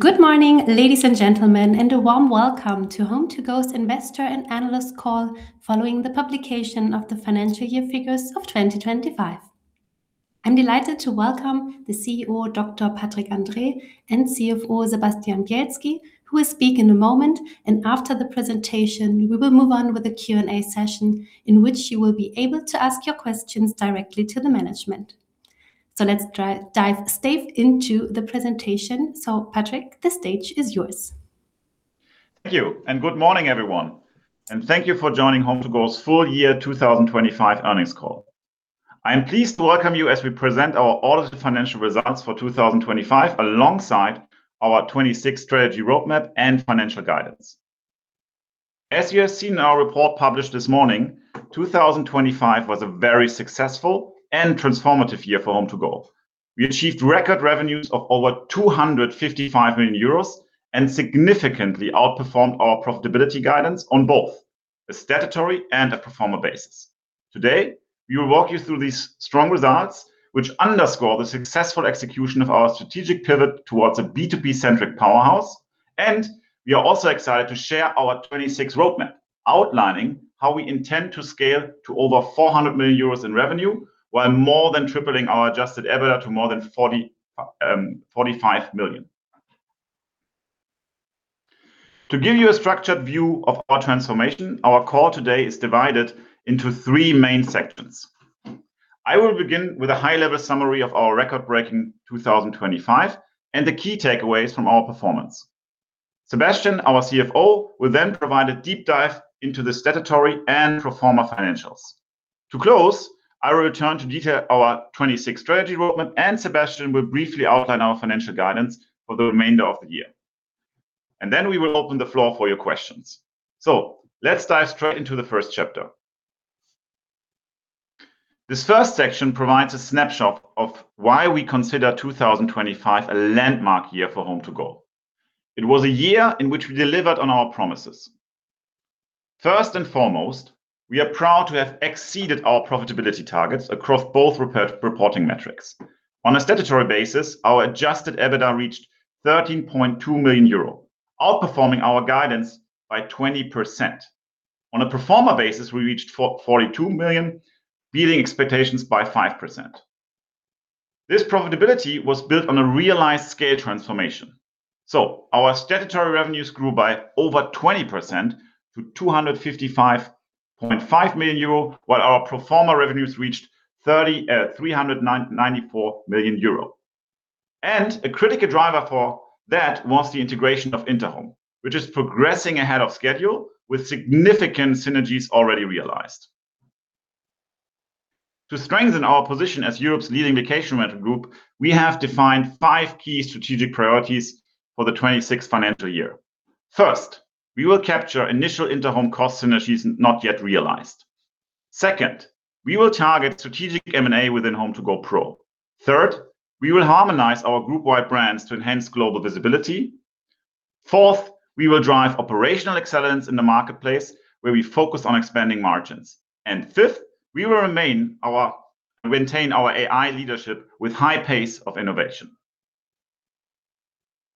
Good morning, ladies and gentlemen, and a warm welcome to HomeToGo's Investor and Analyst Call following the publication of the financial year figures of 2025. I'm delighted to welcome the CEO, Dr. Patrick Andrae, and CFO, Sebastian Bielski, who will speak in a moment. After the presentation, we will move on with the Q&A session in which you will be able to ask your questions directly to the management. Let's dive straight into the presentation. Patrick, the stage is yours. Thank you, and good morning, everyone, and thank you for joining HomeToGo's Full Year 2025 Earnings Call. I am pleased to welcome you as we present our audited financial results for 2025 alongside our 2026 strategy roadmap and financial guidance. As you have seen in our report published this morning, 2025 was a very successful and transformative year for HomeToGo. We achieved record revenues of over 255 million euros and significantly outperformed our profitability guidance on both a statutory and a pro forma basis. Today, we will walk you through these strong results which underscore the successful execution of our strategic pivot towards a B2B-centric powerhouse. We are also excited to share our 2026 roadmap outlining how we intend to scale to over 400 million euros in revenue while more than tripling our adjusted EBITDA to more than 45 million. To give you a structured view of our transformation, our call today is divided into three main segments. I will begin with a high-level summary of our record-breaking 2025 and the key takeaways from our performance. Sebastian, our CFO, will then provide a deep dive into the statutory and pro forma financials. To close, I will return to detail our 2026 strategy roadmap, and Sebastian will briefly outline our financial guidance for the remainder of the year. Then we will open the floor for your questions. Let's dive straight into the first chapter. This first section provides a snapshot of why we consider 2025 a landmark year for HomeToGo. It was a year in which we delivered on our promises. First and foremost, we are proud to have exceeded our profitability targets across both reporting metrics. On a statutory basis, our adjusted EBITDA reached 13.2 million euro, outperforming our guidance by 20%. On a pro forma basis, we reached 42 million, beating expectations by 5%. This profitability was built on a realized scale transformation. Our statutory revenues grew by over 20% to 255.5 million euro, while our pro forma revenues reached 394 million euro. A critical driver for that was the integration of Interhome, which is progressing ahead of schedule with significant synergies already realized. To strengthen our position as Europe's leading vacation rental group, we have defined five key strategic priorities for the 2026 financial year. First, we will capture initial Interhome cost synergies not yet realized. Second, we will target strategic M&A within HomeToGo_PRO. Third, we will harmonize our group-wide brands to enhance global visibility. Fourth, we will drive operational excellence in the marketplace, where we focus on expanding margins. Fifth, we will maintain our AI leadership with high pace of innovation.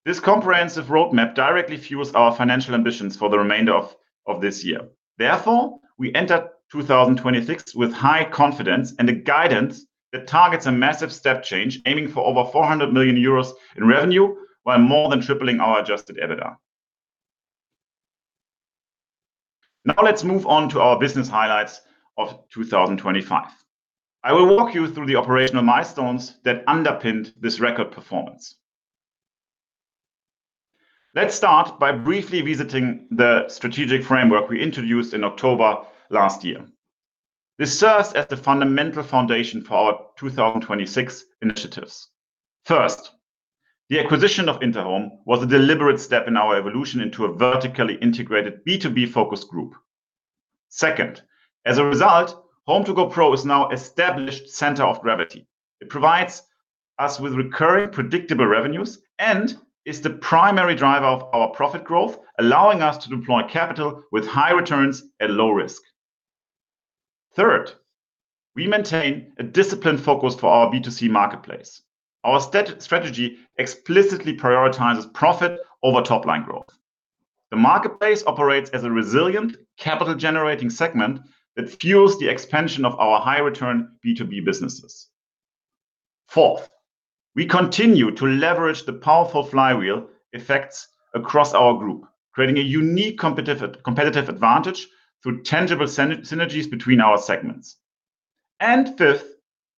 This comprehensive roadmap directly fuels our financial ambitions for the remainder of this year. Therefore, we enter 2026 with high confidence and a guidance that targets a massive step change aiming for over 400 million euros in revenue while more than tripling our adjusted EBITDA. Now let's move on to our business highlights of 2025. I will walk you through the operational milestones that underpinned this record performance. Let's start by briefly visiting the strategic framework we introduced in October last year. This serves as the fundamental foundation for our 2026 initiatives. First, the acquisition of Interhome was a deliberate step in our evolution into a vertically integrated B2B-focused group. Second, as a result, HomeToGo_PRO is now established center of gravity. It provides us with recurring, predictable revenues and is the primary driver of our profit growth, allowing us to deploy capital with high returns at low risk. Third, we maintain a disciplined focus for our B2C marketplace. Our strategy explicitly prioritizes profit over top-line growth. The marketplace operates as a resilient, capital-generating segment that fuels the expansion of our high-return B2B businesses. Fourth, we continue to leverage the powerful flywheel effects across our group, creating a unique competitive advantage through tangible synergies between our segments. Fifth,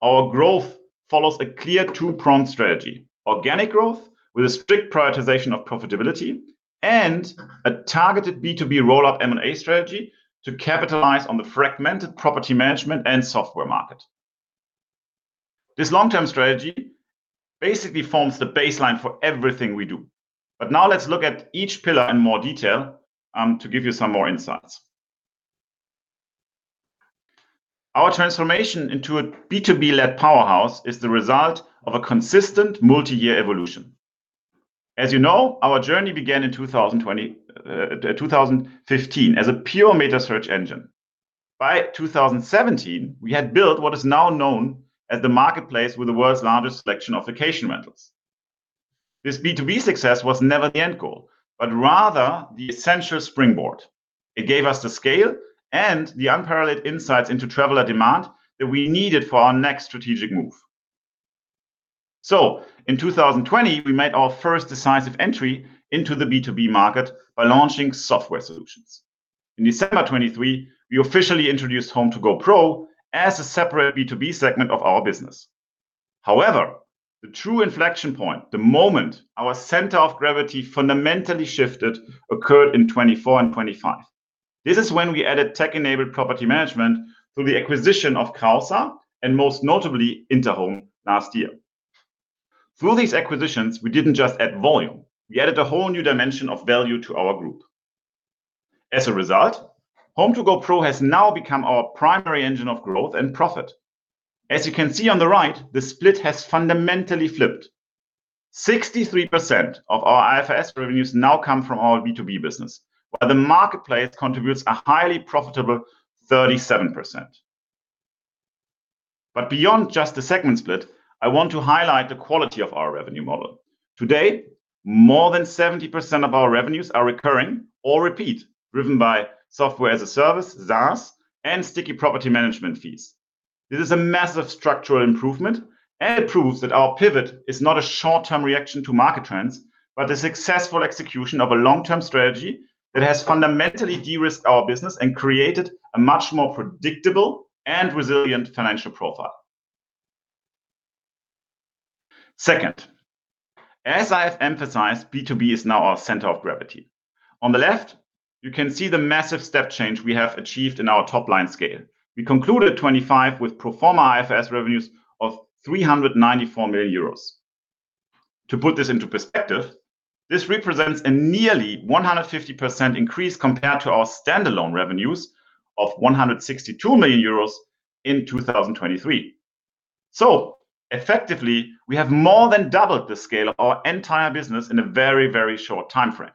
our growth follows a clear two-pronged strategy: organic growth with a strict prioritization of profitability and a targeted B2B roll-up M&A strategy to capitalize on the fragmented property management and software market. This long-term strategy basically forms the baseline for everything we do. Now let's look at each pillar in more detail to give you some more insights. Our transformation into a B2B-led powerhouse is the result of a consistent multi-year evolution. As you know, our journey began in 2015 as a pure meta search engine. By 2017, we had built what is now known as the marketplace with the world's largest selection of vacation rentals. This B2B success was never the end goal, but rather the essential springboard. It gave us the scale and the unparalleled insights into traveler demand that we needed for our next strategic move. In 2020, we made our first decisive entry into the B2B market by launching software solutions. In December 2023, we officially introduced HomeToGo_PRO as a separate B2B segment of our business. However, the true inflection point, the moment our center of gravity fundamentally shifted, occurred in 2024 and 2025. This is when we added tech-enabled property management through the acquisition of Casa and most notably Interhome last year. Through these acquisitions, we didn't just add volume, we added a whole new dimension of value to our group. As a result, HomeToGo_PRO has now become our primary engine of growth and profit. As you can see on the right, the split has fundamentally flipped. 63% of our IFRS revenues now come from our B2B business, while the marketplace contributes a highly profitable 37%. Beyond just the segment split, I want to highlight the quality of our revenue model. Today, more than 70% of our revenues are recurring or repeat, driven by software as a service, SaaS, and sticky property management fees. This is a massive structural improvement, and it proves that our pivot is not a short-term reaction to market trends, but a successful execution of a long-term strategy that has fundamentally de-risked our business and created a much more predictable and resilient financial profile. Second, as I have emphasized, B2B is now our center of gravity. On the left, you can see the massive step change we have achieved in our top-line scale. We concluded 2025 with pro forma IFRS revenues of 394 million euros. To put this into perspective, this represents a nearly 100% increase compared to our standalone revenues of 162 million euros in 2023. Effectively, we have more than doubled the scale of our entire business in a very, very short time frame.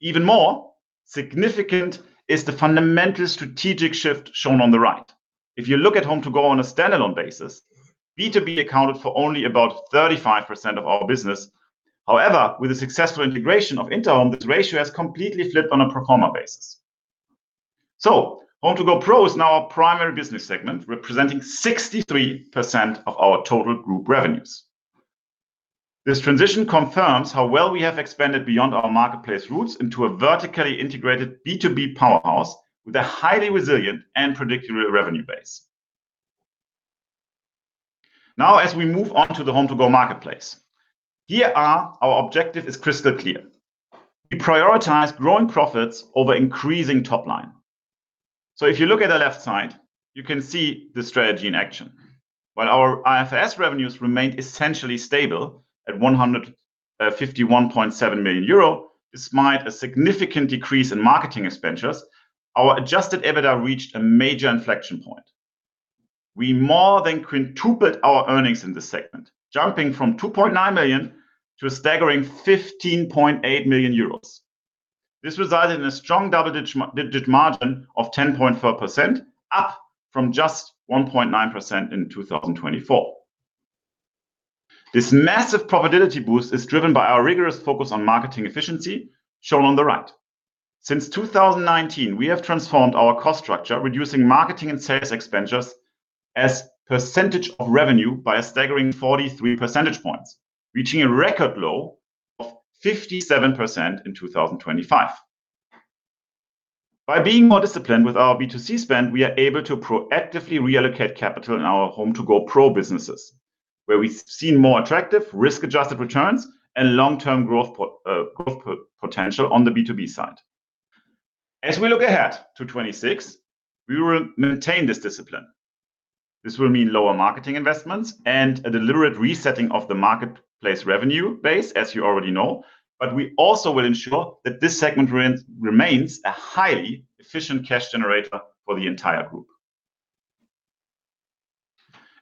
Even more significant is the fundamental strategic shift shown on the right. If you look at HomeToGo on a standalone basis, B2B accounted for only about 35% of our business. However, with the successful integration of Interhome, this ratio has completely flipped on a pro forma basis. HomeToGo_PRO is now our primary business segment, representing 63% of our total group revenues. This transition confirms how well we have expanded beyond our marketplace roots into a vertically integrated B2B powerhouse with a highly resilient and predictable revenue base. Now as we move on to the HomeToGo marketplace, here our objective is crystal clear. We prioritize growing profits over increasing top line. If you look at the left side, you can see the strategy in action. While our IFRS revenues remained essentially stable at 151.7 million euro, despite a significant decrease in marketing expenditures, our adjusted EBITDA reached a major inflection point. We more than quintupled our earnings in this segment, jumping from 2.9 million to a staggering 15.8 million euros. This resulted in a strong double-digit margin of 10.4%, up from just 1.9% in 2024. This massive profitability boost is driven by our rigorous focus on marketing efficiency shown on the right. Since 2019, we have transformed our cost structure, reducing marketing and sales expenditures as percentage of revenue by a staggering 43 percentage points, reaching a record low of 57% in 2025. By being more disciplined with our B2C spend, we are able to proactively reallocate capital in our HomeToGo_PRO businesses, where we've seen more attractive risk-adjusted returns and long-term growth potential on the B2B side. As we look ahead to 2026, we will maintain this discipline. This will mean lower marketing investments and a deliberate resetting of the marketplace revenue base, as you already know. We also will ensure that this segment remains a highly efficient cash generator for the entire group.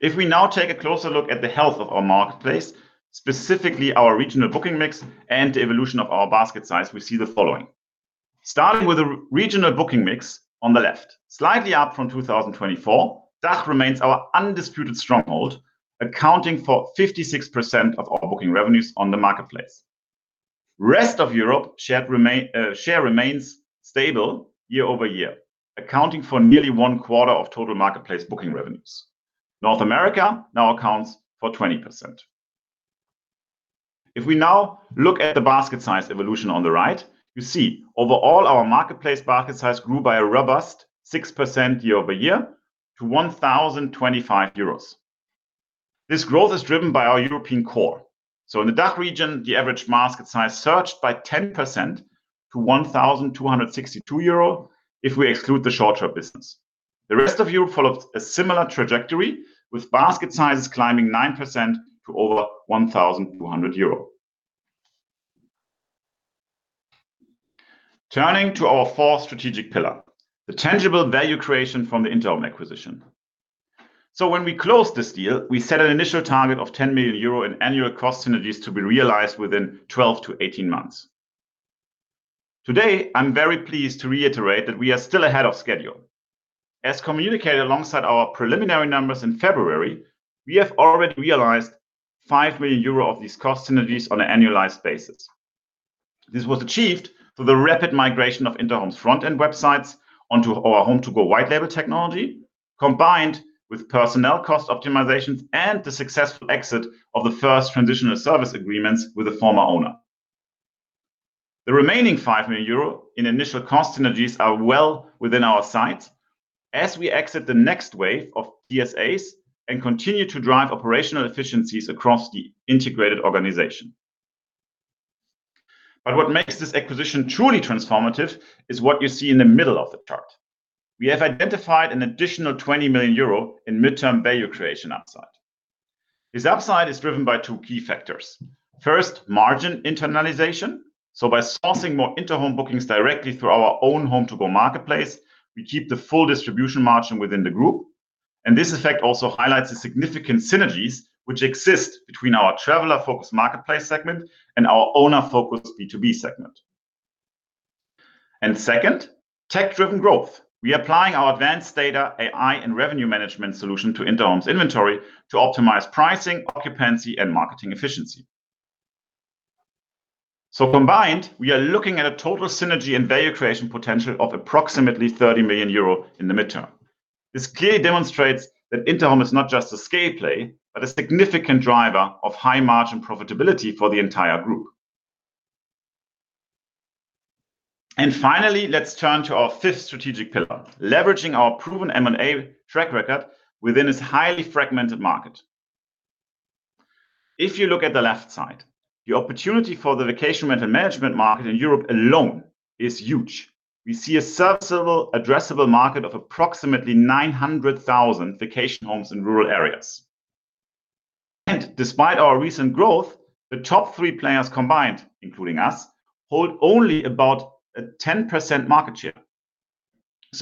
If we now take a closer look at the health of our marketplace, specifically our regional booking mix and evolution of our basket size, we see the following. Starting with the regional booking mix on the left, slightly up from 2024, DACH that remains our undisputed stronghold, accounting for 56% of our booking revenues on the marketplace. Rest of Europe share remains stable year-over-year, accounting for nearly 1/4 of total marketplace booking revenues. North America now accounts for 20%. If we now look at the basket size evolution on the right, you see overall our marketplace basket size grew by a robust 6% year-over-year to 1,025 euros. This growth is driven by our European core. In the DACH region, the average basket size surged by 10% to 1,262 euro if we exclude the short-term business. The rest of Europe followed a similar trajectory, with basket sizes climbing 9% to over 1,200 euro. Turning to our fourth strategic pillar, the tangible value creation from the Interhome acquisition. When we closed this deal, we set an initial target of 10 million euro in annual cost synergies to be realized within 12-18 months. Today, I'm very pleased to reiterate that we are still ahead of schedule. As communicated alongside our preliminary numbers in February, we have already realized 5 million euro of these cost synergies on an annualized basis. This was achieved through the rapid migration of Interhome's front-end websites onto our HomeToGo white label technology, combined with personnel cost optimizations and the successful exit of the first transitional service agreements with the former owner. The remaining 5 million euro in initial cost synergies are well within our sights as we exit the next wave of TSAs and continue to drive operational efficiencies across the integrated organization. What makes this acquisition truly transformative is what you see in the middle of the chart. We have identified an additional 20 million euro in midterm value creation upside. This upside is driven by two key factors. First, margin internalization. By sourcing more Interhome bookings directly through our own HomeToGo marketplace, we keep the full distribution margin within the group. This effect also highlights the significant synergies which exist between our traveler-focused marketplace segment and our owner-focused B2B segment. Second, tech-driven growth. We are applying our advanced data, AI, and revenue management solution to Interhome's inventory to optimize pricing, occupancy, and marketing efficiency. Combined, we are looking at a total synergy and value creation potential of approximately 30 million euro in the midterm. This clearly demonstrates that Interhome is not just a scale play, but a significant driver of high margin profitability for the entire group. Finally, let's turn to our fifth strategic pillar, leveraging our proven M&A track record within this highly fragmented market. If you look at the left side, the opportunity for the vacation rental management market in Europe alone is huge. We see a serviceable addressable market of approximately 900,000 vacation homes in rural areas. Despite our recent growth, the top three players combined, including us, hold only about a 10% market share.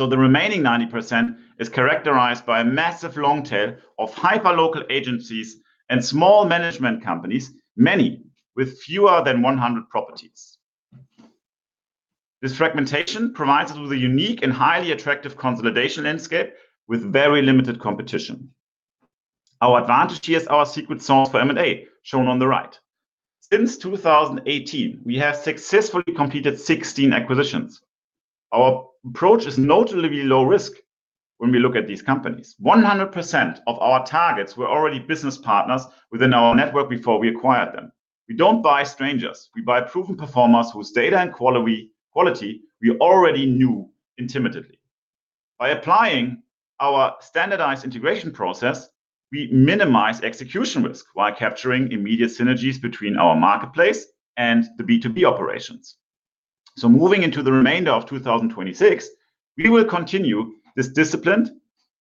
The remaining 90% is characterized by a massive long tail of hyperlocal agencies and small management companies, many with fewer than 100 properties. This fragmentation provides us with a unique and highly attractive consolidation landscape with very limited competition. Our advantage here is our secret sauce for M&A, shown on the right. Since 2018, we have successfully completed 16 acquisitions. Our approach is notably low risk when we look at these companies. 100% of our targets were already business partners within our network before we acquired them. We don't buy strangers. We buy proven performers whose data and quality we already knew intimately. By applying our standardized integration process, we minimize execution risk while capturing immediate synergies between our marketplace and the B2B operations. Moving into the remainder of 2026, we will continue this disciplined,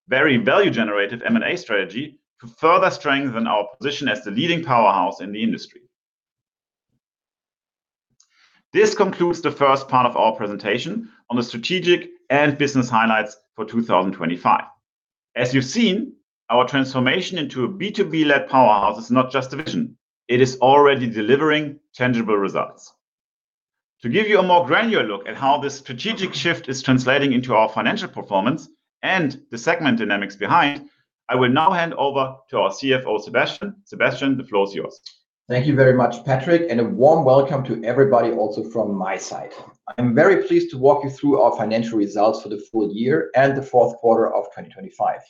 very value-generative M&A strategy to further strengthen our position as the leading powerhouse in the industry. This concludes the first part of our presentation on the strategic and business highlights for 2025. As you've seen, our transformation into a B2B-led powerhouse is not just a vision, it is already delivering tangible results. To give you a more granular look at how this strategic shift is translating into our financial performance and the segment dynamics behind, I will now hand over to our CFO, Sebastian. Sebastian, the floor is yours. Thank you very much, Patrick, and a warm welcome to everybody also from my side. I'm very pleased to walk you through our financial results for the full year and the fourth quarter of 2025.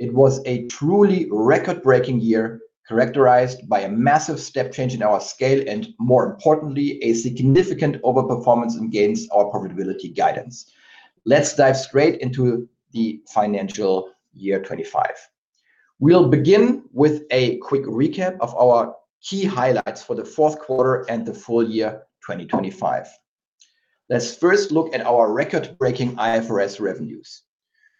It was a truly record-breaking year characterized by a massive step change in our scale, and more importantly, a significant overperformance against our profitability guidance. Let's dive straight into the financial year 2025. We'll begin with a quick recap of our key highlights for the fourth quarter and the full year 2025. Let's first look at our record-breaking IFRS revenues.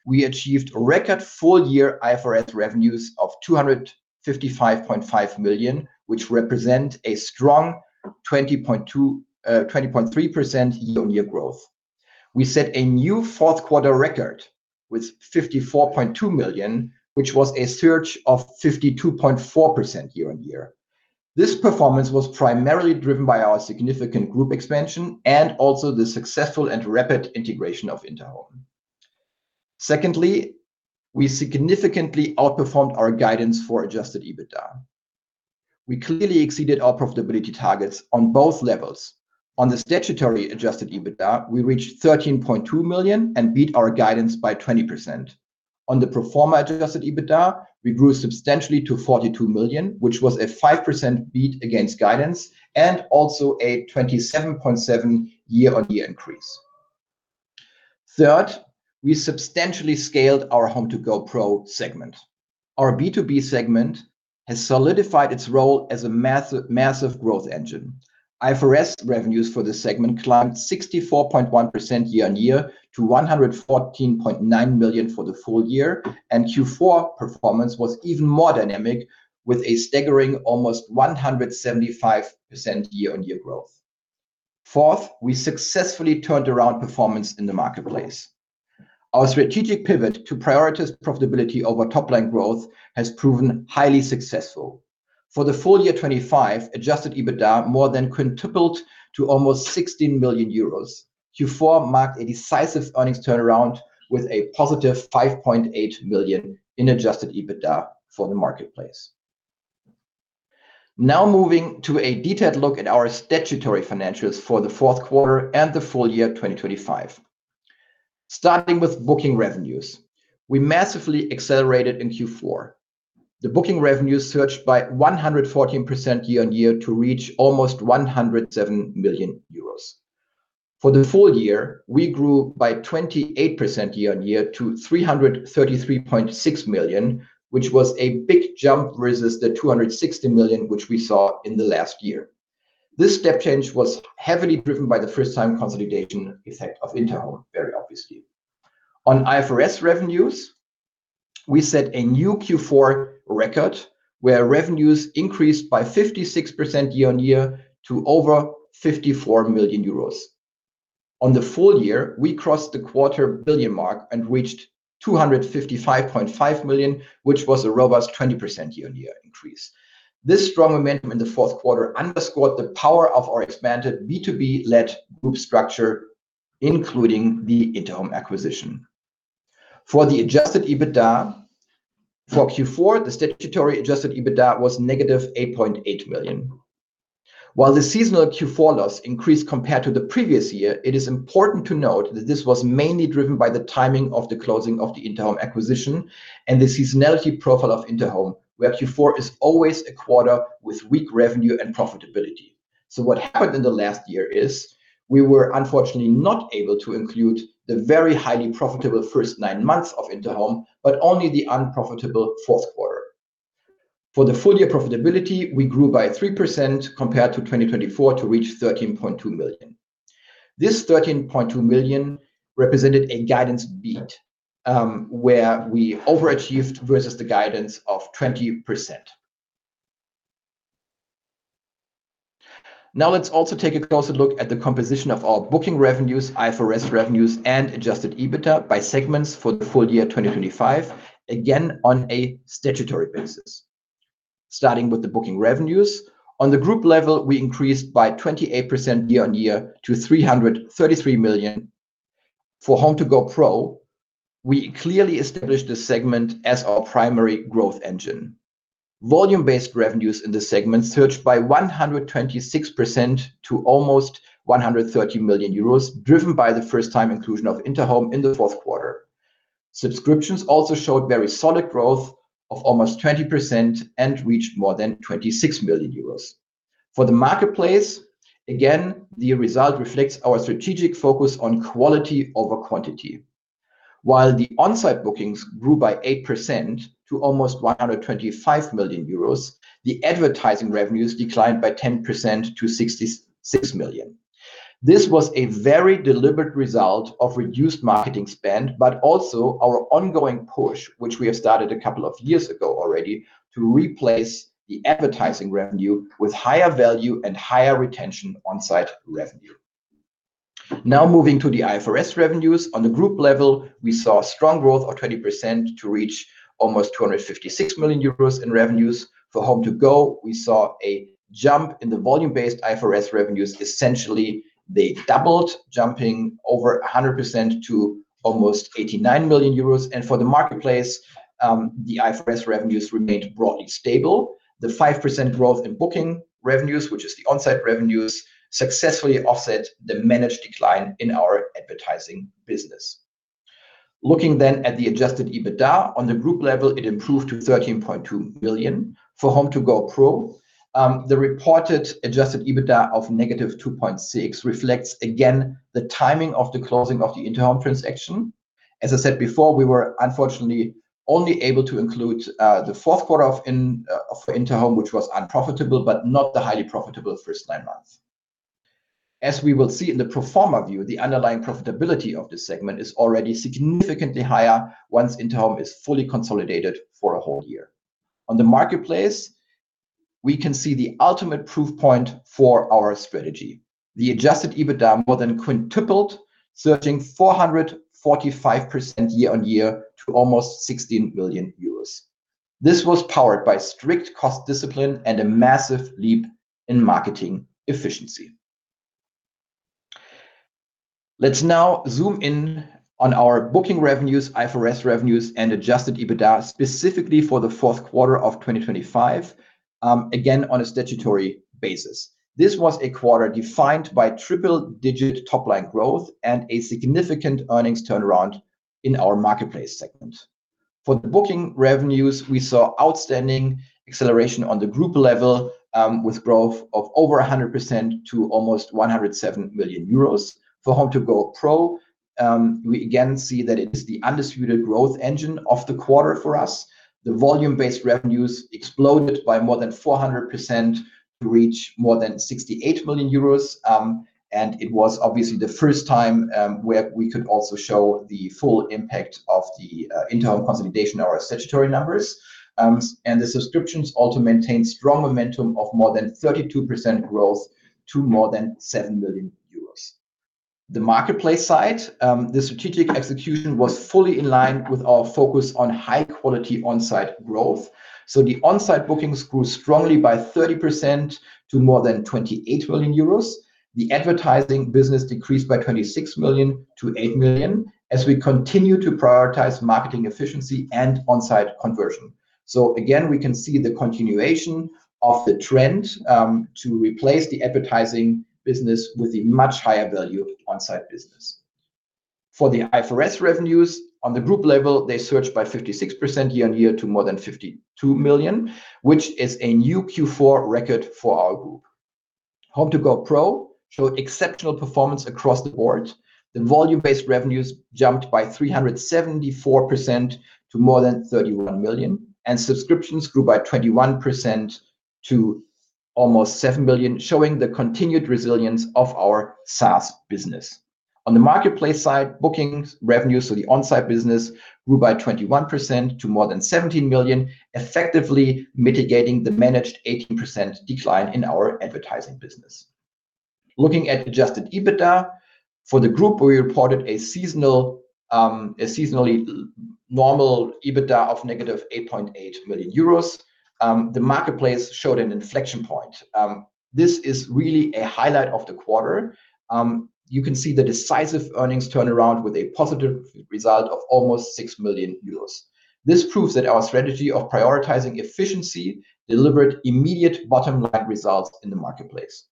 We achieved record full year IFRS revenues of 255.5 million, which represent a strong 20.2, 20.3% year-on-year growth. We set a new fourth quarter record with 54.2 million, which was a surge of 52.4% year-on-year. This performance was primarily driven by our significant group expansion and also the successful and rapid integration of Interhome. Secondly, we significantly outperformed our guidance for adjusted EBITDA. We clearly exceeded our profitability targets on both levels. On the statutory adjusted EBITDA, we reached 13.2 million and beat our guidance by 20%. On the pro forma adjusted EBITDA, we grew substantially to 42 million, which was a 5% beat against guidance and also a 27.7% year-on-year increase. Third, we substantially scaled our HomeToGo_PRO segment. Our B2B segment has solidified its role as a massive growth engine. IFRS revenues for this segment climbed 64.1% year-on-year to 114.9 million for the full year, and Q4 performance was even more dynamic with a staggering almost 175% year-on-year growth. Fourth, we successfully turned around performance in the marketplace. Our strategic pivot to prioritize profitability over top-line growth has proven highly successful. For the full year 2025, adjusted EBITDA more than quintupled to almost 60 million euros. Q4 marked a decisive earnings turnaround with a positive 5.8 million in adjusted EBITDA for the marketplace. Now moving to a detailed look at our statutory financials for the fourth quarter and the full year 2025. Starting with booking revenues. We massively accelerated in Q4. The booking revenues surged by 114% year-on-year to reach almost 107 million euros. For the full year, we grew by 28% year-on-year to 333.6 million, which was a big jump versus the 260 million which we saw in the last year. This step change was heavily driven by the first time consolidation effect of Interhome, very obviously. On IFRS revenues, we set a new Q4 record where revenues increased by 56% year-on-year to over 54 million euros. On the full year, we crossed the quarter billion mark and reached 255.5 million, which was a robust 20% year-on-year increase. This strong momentum in the fourth quarter underscored the power of our expanded B2B-led group structure, including the Interhome acquisition. For the adjusted EBITDA for Q4, the statutory adjusted EBITDA was -8.8 million. While the seasonal Q4 loss increased compared to the previous year, it is important to note that this was mainly driven by the timing of the closing of the Interhome acquisition and the seasonality profile of Interhome, where Q4 is always a quarter with weak revenue and profitability. What happened in the last year is we were unfortunately not able to include the very highly profitable first nine months of Interhome, but only the unprofitable fourth quarter. For the full year profitability, we grew by 3% compared to 2024 to reach 13.2 million. This 13.2 million represented a guidance beat, where we overachieved versus the guidance of 20%. Now let's also take a closer look at the composition of our booking revenues, IFRS revenues, and adjusted EBITDA by segments for the full year 2025, again on a statutory basis. Starting with the booking revenues. On the group level, we increased by 28% year-over-year to 333 million. For HomeToGo_PRO, we clearly established this segment as our primary growth engine. Volume-based revenues in this segment surged by 126% to almost 130 million euros, driven by the first time inclusion of Interhome in the fourth quarter. Subscriptions also showed very solid growth of almost 20% and reached more than 26 million euros. For the marketplace, again, the result reflects our strategic focus on quality over quantity. While the on-site bookings grew by 8% to almost 125 million euros, the advertising revenues declined by 10% to 66 million. This was a very deliberate result of reduced marketing spend, but also our ongoing push, which we have started a couple of years ago already, to replace the advertising revenue with higher value and higher retention on-site revenue. Now moving to the IFRS revenues. On the group level, we saw strong growth of 20% to reach almost 256 million euros in revenues. For HomeToGo, we saw a jump in the volume-based IFRS revenues. Essentially, they doubled, jumping over 100% to almost 89 million euros. For the marketplace, the IFRS revenues remained broadly stable. The 5% growth in booking revenues, which is the on-site revenues, successfully offset the managed decline in our advertising business. Looking then at the adjusted EBITDA. On the group level, it improved to 13.2 million. For HomeToGo_PRO, the reported adjusted EBITDA of -2.6 million reflects again the timing of the closing of the Interhome transaction. As I said before, we were unfortunately only able to include the fourth quarter of Interhome, which was unprofitable, but not the highly profitable first nine months. As we will see in the pro forma view, the underlying profitability of this segment is already significantly higher once Interhome is fully consolidated for a whole year. On the marketplace, we can see the ultimate proof point for our strategy. The adjusted EBITDA more than quintupled, surging 445% year-on-year to almost 16 million euros. This was powered by strict cost discipline and a massive leap in marketing efficiency. Let's now zoom in on our booking revenues, IFRS revenues, and adjusted EBITDA specifically for the fourth quarter of 2025, again on a statutory basis. This was a quarter defined by triple-digit top-line growth and a significant earnings turnaround in our marketplace segment. For the booking revenues, we saw outstanding acceleration on the group level, with growth of over 100% to almost 107 million euros. For HomeToGo_PRO, we again see that it is the undisputed growth engine of the quarter for us. The volume-based revenues exploded by more than 400% to reach more than 68 million euros, and it was obviously the first time where we could also show the full impact of the Interhome consolidation of our statutory numbers. The subscriptions also maintained strong momentum of more than 32% growth to more than 7 million euros. The marketplace side, the strategic execution was fully in line with our focus on high quality on-site growth. The on-site bookings grew strongly by 30% to more than 28 million euros. The advertising business decreased by 26 million to 8 million as we continue to prioritize marketing efficiency and on-site conversion. Again, we can see the continuation of the trend to replace the advertising business with a much higher value on-site business. For the IFRS revenues on the group level, they surged by 56% year-on-year to more than 52 million, which is a new Q4 record for our group. HomeToGo_PRO showed exceptional performance across the board. The volume-based revenues jumped by 374% to more than 31 million, and subscriptions grew by 21% to almost 7 million, showing the continued resilience of our SaaS business. On the marketplace side, bookings, revenues, so the on-site business grew by 21% to more than 17 million, effectively mitigating the managed 18% decline in our advertising business. Looking at adjusted EBITDA for the group, we reported a seasonally normal EBITDA of -8.8 million euros. The marketplace showed an inflection point. This is really a highlight of the quarter. You can see the decisive earnings turnaround with a positive result of almost 6 million euros. This proves that our strategy of prioritizing efficiency delivered immediate bottom-line results in the marketplace.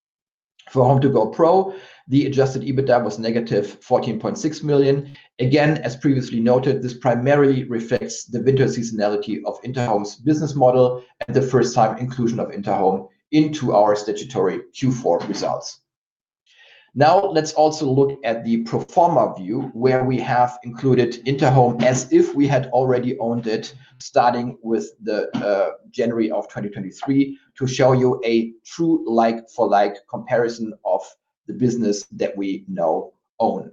For HomeToGo_PRO, the adjusted EBITDA was -14.6 million. Again, as previously noted, this primarily reflects the winter seasonality of Interhome's business model and the first time inclusion of Interhome into our statutory Q4 results. Now, let's also look at the pro forma view, where we have included Interhome as if we had already owned it starting with the January of 2023 to show you a true like-for-like comparison of the business that we now own.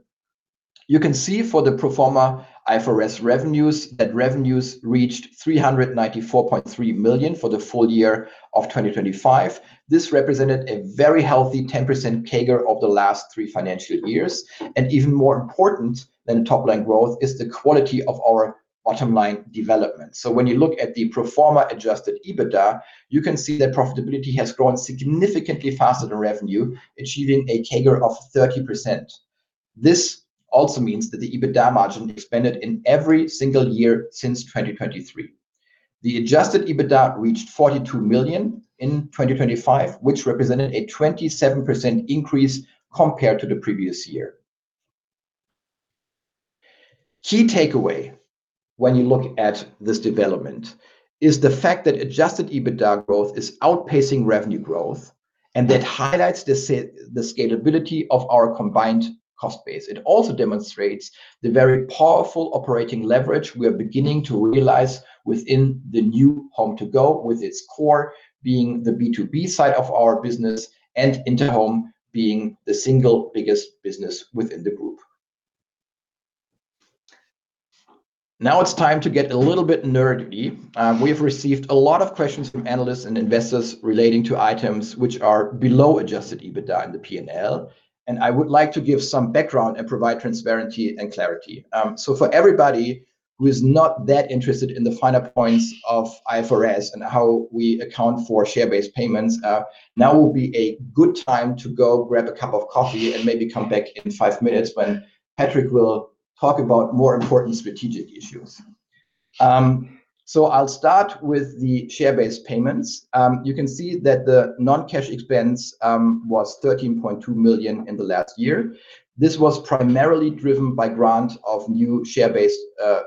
You can see for the pro forma IFRS revenues that revenues reached 394.3 million for the full year of 2025. This represented a very healthy 10% CAGR of the last three financial years. Even more important than top-line growth is the quality of our bottom-line development. When you look at the pro forma adjusted EBITDA, you can see that profitability has grown significantly faster than revenue, achieving a CAGR of 30%. This also means that the EBITDA margin expanded in every single year since 2023. The adjusted EBITDA reached 42 million in 2025, which represented a 27% increase compared to the previous year. Key takeaway when you look at this development is the fact that adjusted EBITDA growth is outpacing revenue growth and that highlights the scalability of our combined cost base. It also demonstrates the very powerful operating leverage we are beginning to realize within the new HomeToGo, with its core being the B2B side of our business and Interhome being the single biggest business within the group. Now it's time to get a little bit nerdy. We've received a lot of questions from analysts and investors relating to items which are below adjusted EBITDA in the P&L, and I would like to give some background and provide transparency and clarity. For everybody who is not that interested in the finer points of IFRS and how we account for share-based payments, now will be a good time to go grab a cup of coffee and maybe come back in five minutes when Patrick will talk about more important strategic issues. I'll start with the share-based payments. You can see that the non-cash expense was 13.2 million in the last year. This was primarily driven by grant of new share-based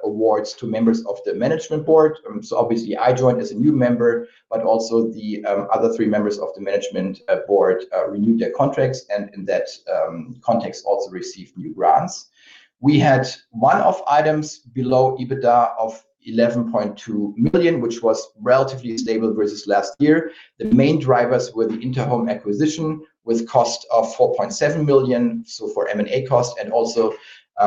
awards to members of the management board. Obviously I joined as a new member, but also the other three members of the management board renewed their contracts and in that context also received new grants. We had one-off items below EBITDA of 11.2 million, which was relatively stable versus last year. The main drivers were the Interhome acquisition with cost of 4.7 million, so for M&A cost and also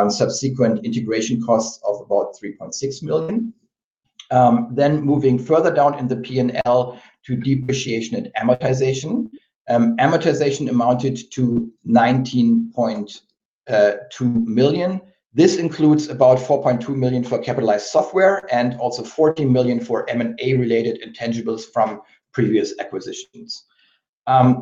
subsequent integration costs of about 3.6 million. Moving further down in the P&L to depreciation and amortization. Amortization amounted to 19.2 million. This includes about 4.2 million for capitalized software and also 14 million for M&A-related intangibles from previous acquisitions.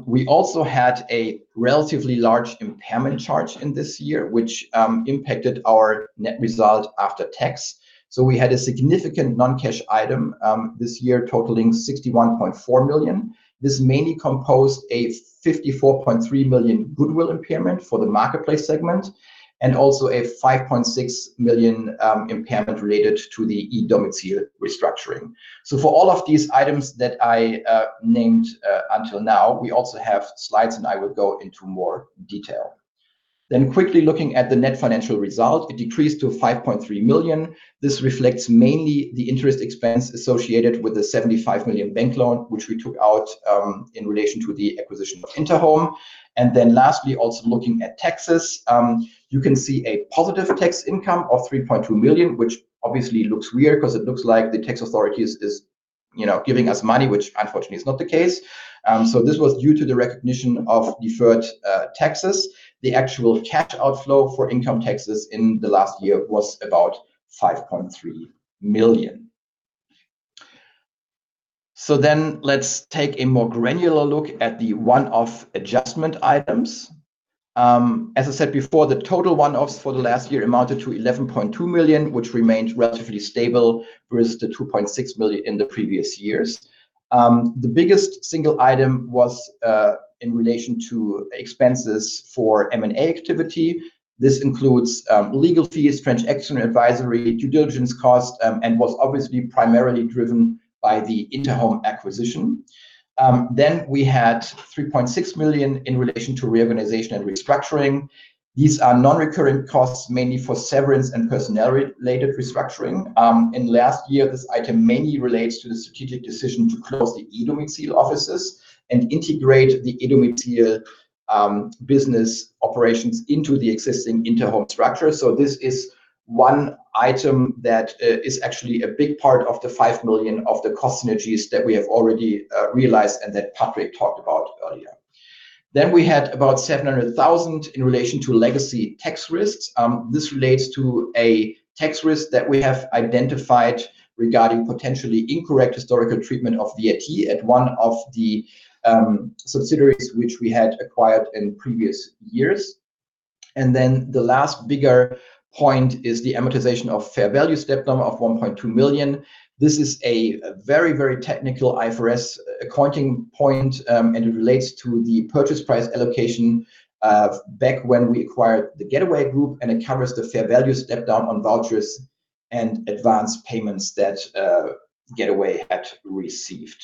We also had a relatively large impairment charge in this year, which impacted our net result after tax. We had a significant non-cash item this year totaling 61.4 million. This mainly composed a 54.3 million goodwill impairment for the marketplace segment and also a 5.6 million impairment related to the e-domizil restructuring. For all of these items that I named until now, we also have slides, and I will go into more detail. Quickly looking at the net financial result, it decreased to 5.3 million. This reflects mainly the interest expense associated with the 75 million bank loan, which we took out in relation to the acquisition of Interhome. Lastly, also looking at taxes, you can see a positive tax income of 3.2 million, which obviously looks weird because it looks like the tax authorities is, you know, giving us money, which unfortunately is not the case. This was due to the recognition of deferred taxes. The actual cash outflow for income taxes in the last year was about 5.3 million. Let's take a more granular look at the one-off adjustment items. As I said before, the total one-offs for the last year amounted to 11.2 million, which remained relatively stable versus the 2.6 million in the previous years. The biggest single item was in relation to expenses for M&A activity. This includes legal fees, transaction advisory, due diligence costs, and was obviously primarily driven by the Interhome acquisition. We had 3.6 million in relation to reorganization and restructuring. These are non-recurring costs mainly for severance and personnel-related restructuring. In last year, this item mainly relates to the strategic decision to close the e-domizil offices and integrate the e-domizil business operations into the existing Interhome structure. This is one item that is actually a big part of the 5 million of the cost synergies that we have already realized and that Patrick talked about earlier. We had about 700 thousand in relation to legacy tax risks. This relates to a tax risk that we have identified regarding potentially incorrect historical treatment of VAT at one of the subsidiaries which we had acquired in previous years. The last bigger point is the amortization of fair value step-down of 1.2 million. This is a very, very technical IFRS accounting point, and it relates to the purchase price allocation of back when we acquired the GetAway Group and it covers the fair value step-down on vouchers and advanced payments that GetAway had received.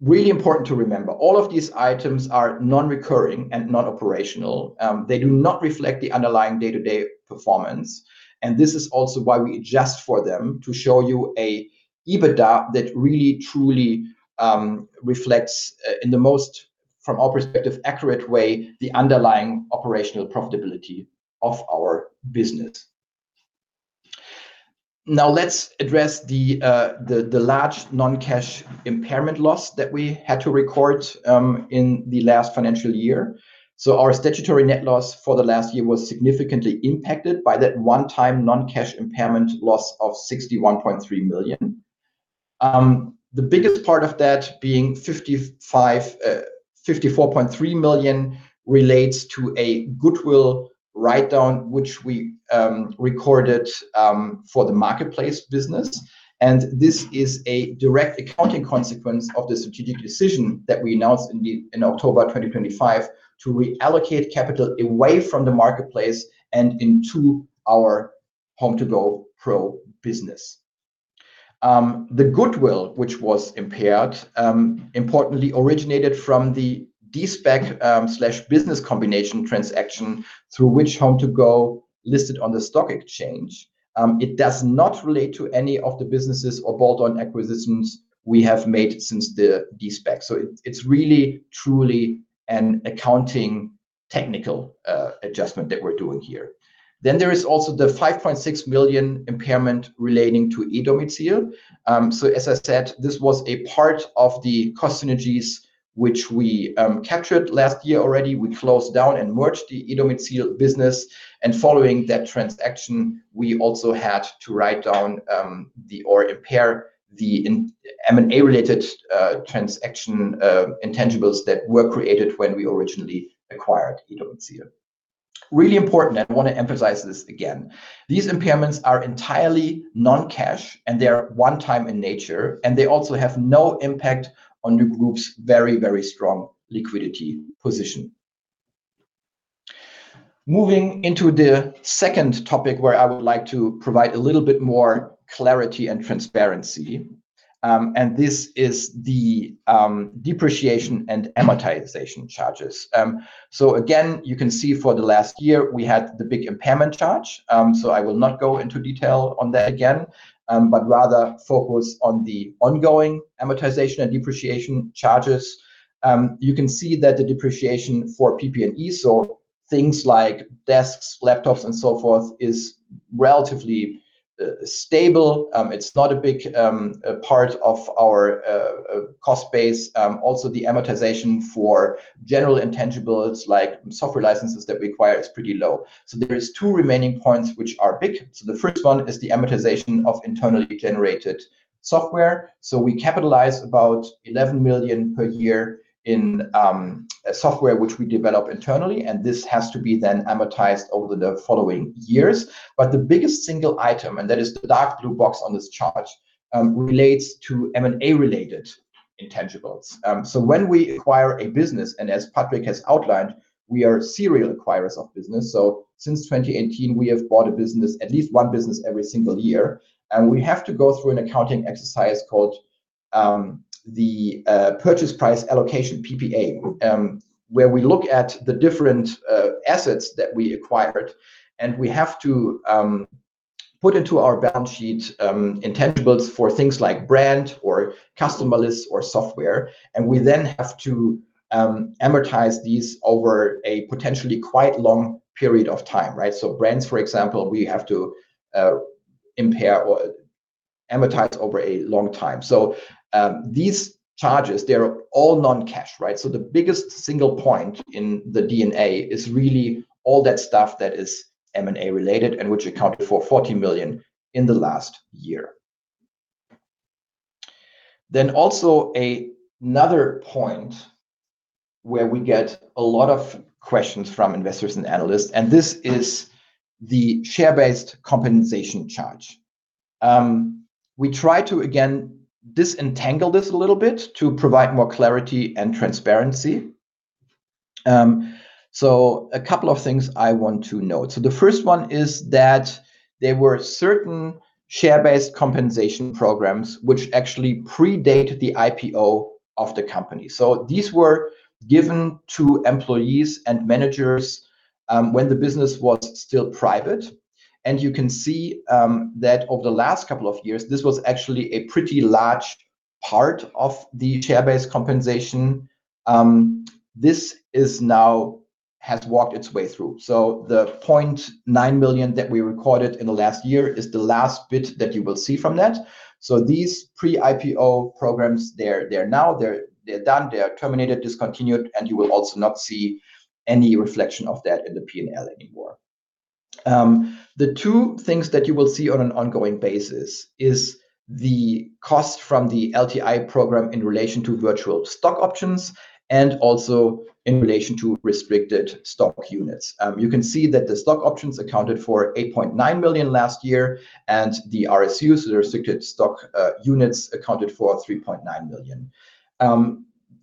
Really important to remember, all of these items are non-recurring and non-operational. They do not reflect the underlying day-to-day performance. This is also why we adjust for them to show you a EBITDA that really truly reflects in the most from our perspective accurate way the underlying operational profitability of our business. Now let's address the large non-cash impairment loss that we had to record in the last financial year. Our statutory net loss for the last year was significantly impacted by that one-time non-cash impairment loss of 61.3 million. The biggest part of that being 54.3 million relates to a goodwill write-down which we recorded for the marketplace business. This is a direct accounting consequence of the strategic decision that we announced in October 2025 to reallocate capital away from the marketplace and into our HomeToGo_PRO business. The goodwill which was impaired importantly originated from the de-SPAC / business combination transaction through which HomeToGo listed on the stock exchange. It does not relate to any of the businesses or bolt-on acquisitions we have made since the de-SPAC. It's really truly an accounting technical adjustment that we're doing here. There is also the 5.6 million impairment relating to e-domizil. As I said, this was a part of the cost synergies which we captured last year already. We closed down and merged the e-domizil business. Following that transaction, we also had to write down or impair the M&A-related transaction intangibles that were created when we originally acquired e-domizil. Really important, and I want to emphasize this again, these impairments are entirely non-cash and they are one-time in nature, and they also have no impact on the group's very, very strong liquidity position. Moving into the second topic where I would like to provide a little bit more clarity and transparency, and this is the depreciation and amortization charges. Again, you can see for the last year, we had the big impairment charge. I will not go into detail on that again, but rather focus on the ongoing amortization and depreciation charges. You can see that the depreciation for PP&E, so things like desks, laptops, and so forth, is relatively stable. It's not a big part of our cost base. Also the amortization for general intangibles like software licenses that we acquire is pretty low. There are two remaining points which are big. The first one is the amortization of internally generated software. We capitalize about 11 million per year in software which we develop internally, and this has to be then amortized over the following years. The biggest single item, and that is the dark blue box on this chart, relates to M&A-related intangibles. When we acquire a business, and as Patrick has outlined, we are serial acquirers of business. Since 2018, we have bought a business, at least one business every single year, and we have to go through an accounting exercise called the purchase price allocation, PPA, where we look at the different assets that we acquired, and we have to put into our balance sheet intangibles for things like brand or customer lists or software, and we then have to amortize these over a potentially quite long period of time, right? Brands, for example, we have to amortize over a long time. These charges, they are all non-cash, right? The biggest single point in the EBITDA is really all that stuff that is M&A related, and which accounted for 40 million in the last year. Also another point where we get a lot of questions from investors and analysts, and this is the share-based compensation charge. We try to, again, disentangle this a little bit to provide more clarity and transparency. A couple of things I want to note. The first one is that there were certain share-based compensation programs which actually predate the IPO of the company. These were given to employees and managers, when the business was still private. You can see that over the last couple of years, this was actually a pretty large part of the share-based compensation. This has now worked its way through. The 0.9 million that we recorded in the last year is the last bit that you will see from that. These pre-IPO programs, they're now done, they are terminated, discontinued, and you will also not see any reflection of that in the P&L anymore. The two things that you will see on an ongoing basis is the cost from the LTI program in relation to virtual stock options and also in relation to restricted stock units. You can see that the stock options accounted for 8.9 million last year, and the RSUs, the restricted stock units, accounted for 3.9 million.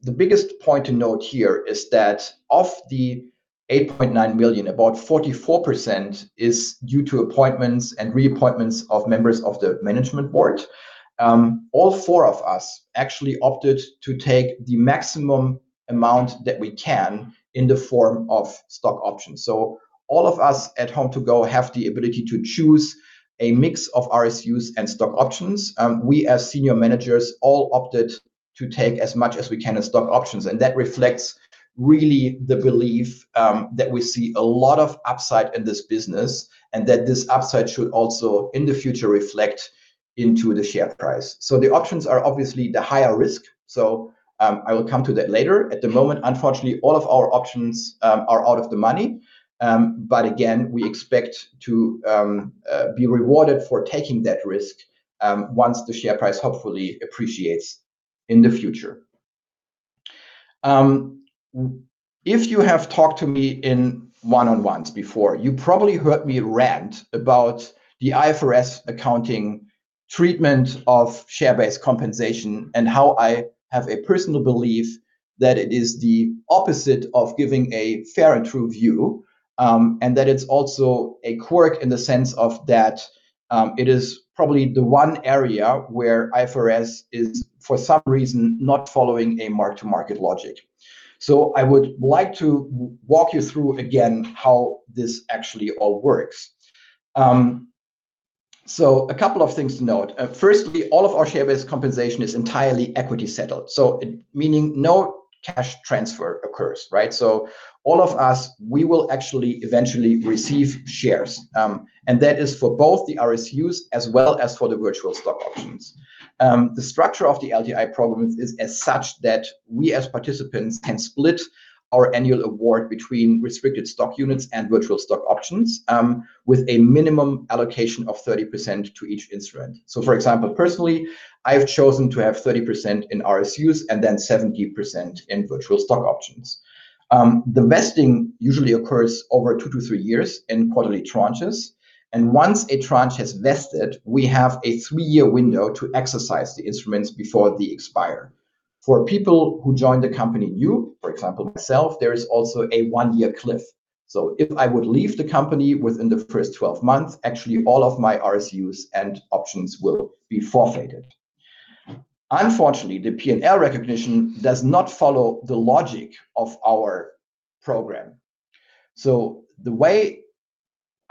The biggest point to note here is that of the 8.9 million, about 44% is due to appointments and reappointments of members of the management board. All four of us actually opted to take the maximum amount that we can in the form of stock options. All of us at HomeToGo have the ability to choose a mix of RSUs and stock options. We as senior managers all opted to take as much as we can of stock options, and that reflects really the belief that we see a lot of upside in this business and that this upside should also in the future reflect into the share price. The options are obviously the higher risk, so I will come to that later. At the moment, unfortunately, all of our options are out of the money. Again, we expect to be rewarded for taking that risk once the share price hopefully appreciates in the future. If you have talked to me in one-on-ones before, you probably heard me rant about the IFRS accounting treatment of share-based compensation and how I have a personal belief that it is the opposite of giving a fair and true view, and that it's also a quirk in the sense of that, it is probably the one area where IFRS is for some reason not following a mark-to-market logic. I would like to walk you through again how this actually all works. A couple of things to note. Firstly, all of our share-based compensation is entirely equity settled, meaning no cash transfer occurs, right? All of us, we will actually eventually receive shares, and that is for both the RSUs as well as for the virtual stock options. The structure of the LTI program is such that we as participants can split our annual award between restricted stock units and virtual stock options, with a minimum allocation of 30% to each instrument. For example, personally, I've chosen to have 30% in RSUs and then 70% in virtual stock options. The vesting usually occurs over two to three years in quarterly tranches. Once a tranche has vested, we have a three-year window to exercise the instruments before they expire. For people who join the company new, for example, myself, there is also a one-year cliff. If I would leave the company within the first 12 months, actually all of my RSUs and options will be forfeited. Unfortunately, the P&L recognition does not follow the logic of our program. The way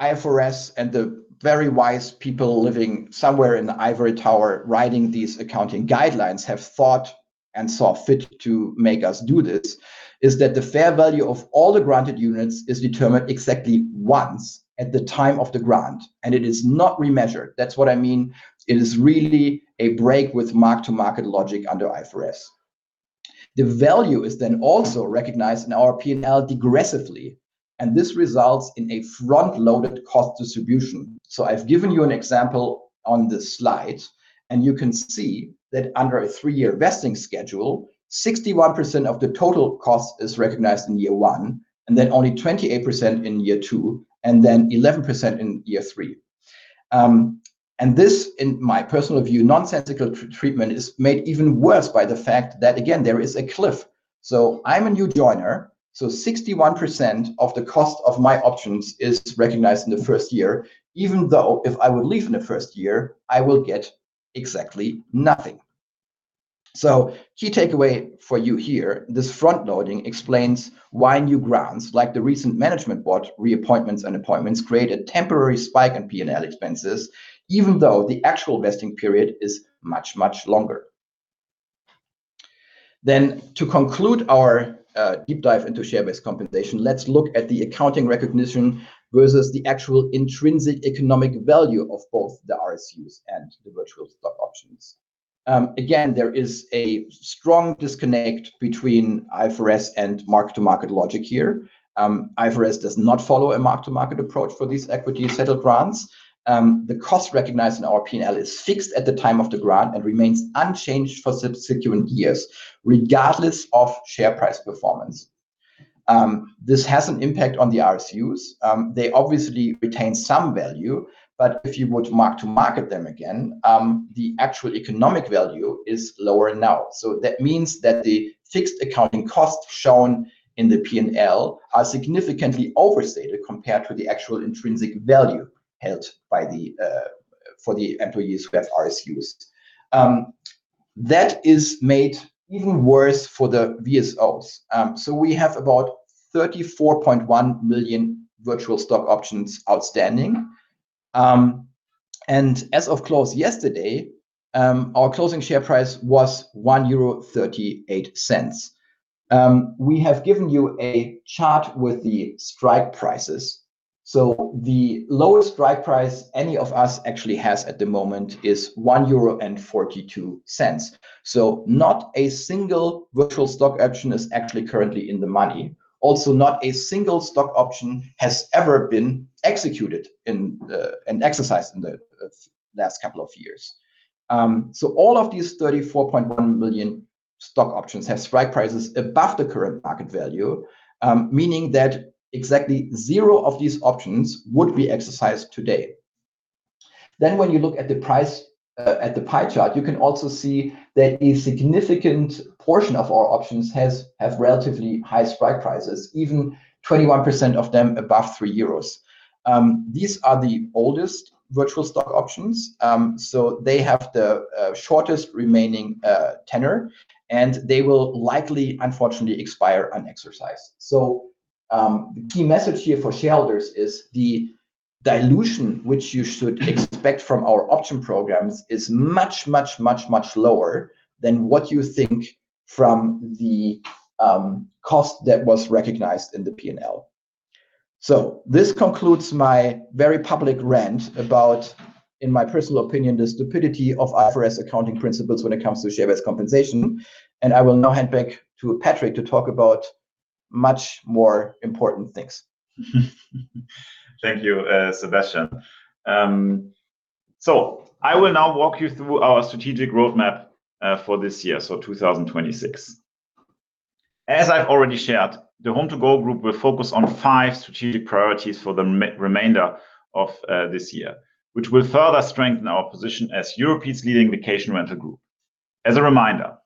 IFRS and the very wise people living somewhere in the ivory tower writing these accounting guidelines have thought and saw fit to make us do this is that the fair value of all the granted units is determined exactly once at the time of the grant, and it is not remeasured. That's what I mean, it is really a break with mark-to-market logic under IFRS. The value is then also recognized in our P&L degressively, and this results in a front-loaded cost distribution. I've given you an example on this slide, and you can see that under a three-year vesting schedule, 61% of the total cost is recognized in year one, and then only 28% in year two, and then 11% in year three. This, in my personal view, nonsensical treatment is made even worse by the fact that, again, there is a cliff. I'm a new joiner, so 61% of the cost of my options is recognized in the first year, even though if I would leave in the first year, I will get exactly nothing. Key takeaway for you here, this front-loading explains why new grants, like the recent management board reappointments and appointments, create a temporary spike in P&L expenses even though the actual vesting period is much, much longer. To conclude our deep dive into share-based compensation, let's look at the accounting recognition versus the actual intrinsic economic value of both the RSUs and the virtual stock options. Again, there is a strong disconnect between IFRS and mark-to-market logic here. IFRS does not follow a mark-to-market approach for these equity settled grants. The cost recognized in our P&L is fixed at the time of the grant and remains unchanged for subsequent years regardless of share price performance. This has an impact on the RSUs. They obviously retain some value, but if you were to mark to market them again, the actual economic value is lower now. That means that the fixed accounting costs shown in the P&L are significantly overstated compared to the actual intrinsic value held by the for the employees who have RSUs. That is made even worse for the VSOs. We have about 34.1 million virtual stock options outstanding. And as of close yesterday, our closing share price was 1.38 euro. We have given you a chart with the strike prices. The lowest strike price any of us actually has at the moment is 1.42 euro. Not a single virtual stock option is actually currently in the money. Also, not a single stock option has ever been exercised in the last couple of years. All of these 34.1 million stock options have strike prices above the current market value, meaning that exactly zero of these options would be exercised today. When you look at the pie chart, you can also see that a significant portion of our options have relatively high strike prices, even 21% of them above 3 euros. These are the oldest virtual stock options, so they have the shortest remaining tenure, and they will likely, unfortunately, expire unexercised. The key message here for shareholders is the dilution which you should expect from our option programs is much lower than what you think from the cost that was recognized in the P&L. This concludes my very public rant about, in my personal opinion, the stupidity of IFRS accounting principles when it comes to share-based compensation, and I will now hand back to Patrick to talk about much more important things. Thank you, Sebastian. I will now walk you through our strategic roadmap for this year, 2026. As I've already shared, the HomeToGo group will focus on five strategic priorities for the remainder of this year, which will further strengthen our position as Europe's leading vacation rental group. As a reminder,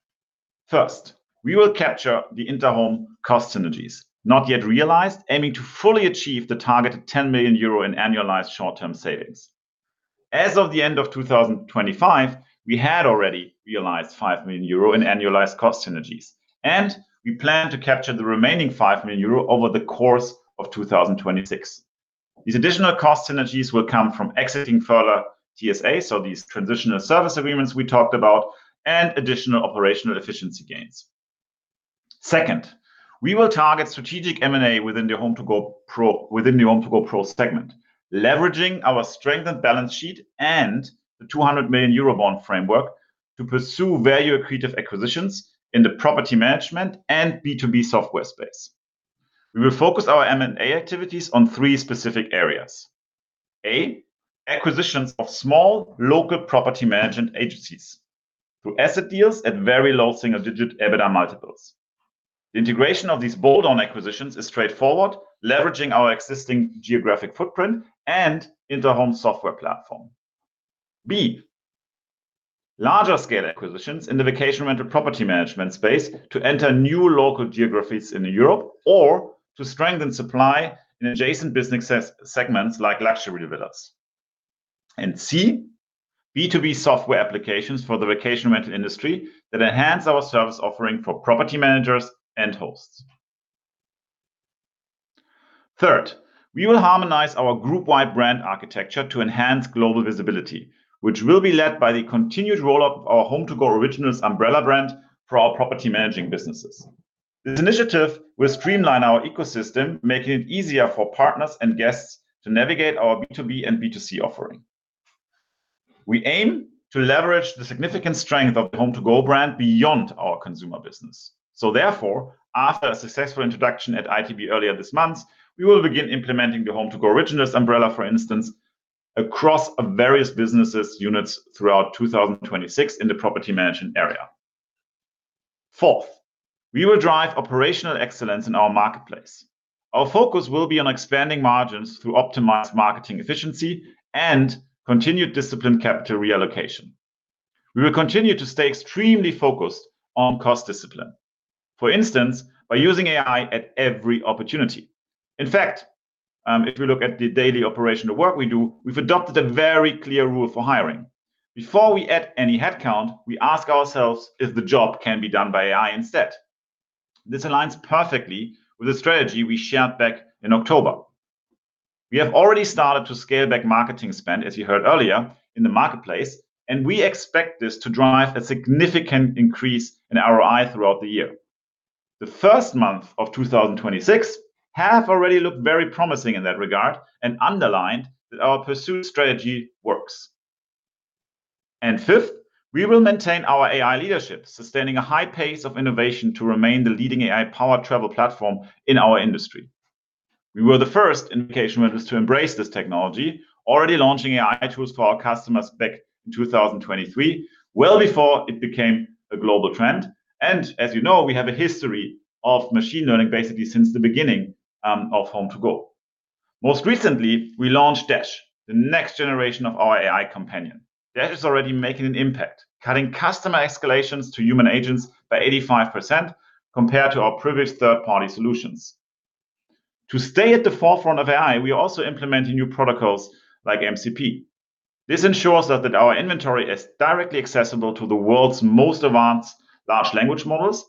first, we will capture the Interhome cost synergies not yet realized, aiming to fully achieve the targeted 10 million euro in annualized short-term savings. As of the end of 2025, we had already realized 5 million euro in annualized cost synergies, and we plan to capture the remaining 5 million euro over the course of 2026. These additional cost synergies will come from exiting further TSAs, so these transitional service agreements we talked about, and additional operational efficiency gains. Second, we will target strategic M&A within the HomeToGo_PRO, within the HomeToGo_PRO segment, leveraging our strengthened balance sheet and the 200 million euro bond framework to pursue value accretive acquisitions in the property management and B2B software space. We will focus our M&A activities on three specific areas. A, acquisitions of small local property management agencies through asset deals at very low single-digit EBITDA multiples. The integration of these bolt-on acquisitions is straightforward, leveraging our existing geographic footprint and Interhome software platform. B, larger scale acquisitions in the vacation rental property management space to enter new local geographies in Europe or to strengthen supply in adjacent business segments like luxury villas. C, B2B software applications for the vacation rental industry that enhance our service offering for property managers and hosts. Third, we will harmonize our group-wide brand architecture to enhance global visibility, which will be led by the continued roll-up of our HomeToGo Originals umbrella brand for our property management businesses. This initiative will streamline our ecosystem, making it easier for partners and guests to navigate our B2B and B2C offering. We aim to leverage the significant strength of the HomeToGo brand beyond our consumer business. After a successful introduction at ITB earlier this month, we will begin implementing the HomeToGo Originals umbrella, for instance, across our various business units throughout 2026 in the property management area. Fourth, we will drive operational excellence in our marketplace. Our focus will be on expanding margins to optimize marketing efficiency and continued disciplined capital reallocation. We will continue to stay extremely focused on cost discipline, for instance, by using AI at every opportunity. In fact, if we look at the daily operational work we do, we've adopted a very clear rule for hiring. Before we add any headcount, we ask ourselves if the job can be done by AI instead. This aligns perfectly with the strategy we shared back in October. We have already started to scale back marketing spend, as you heard earlier, in the marketplace, and we expect this to drive a significant increase in ROI throughout the year. The first month of 2026 have already looked very promising in that regard and underlined that our pursuit strategy works. Fifth, we will maintain our AI leadership, sustaining a high pace of innovation to remain the leading AI-powered travel platform in our industry. We were the first in vacation rentals to embrace this technology, already launching AI tools for our customers back in 2023, well before it became a global trend. As you know, we have a history of machine learning basically since the beginning of HomeToGo. Most recently, we launched Dash, the next generation of our AI companion. Dash is already making an impact, cutting customer escalations to human agents by 85% compared to our previous third-party solutions. To stay at the forefront of AI, we are also implementing new protocols like MCP. This ensures us that our inventory is directly accessible to the world's most advanced large language models.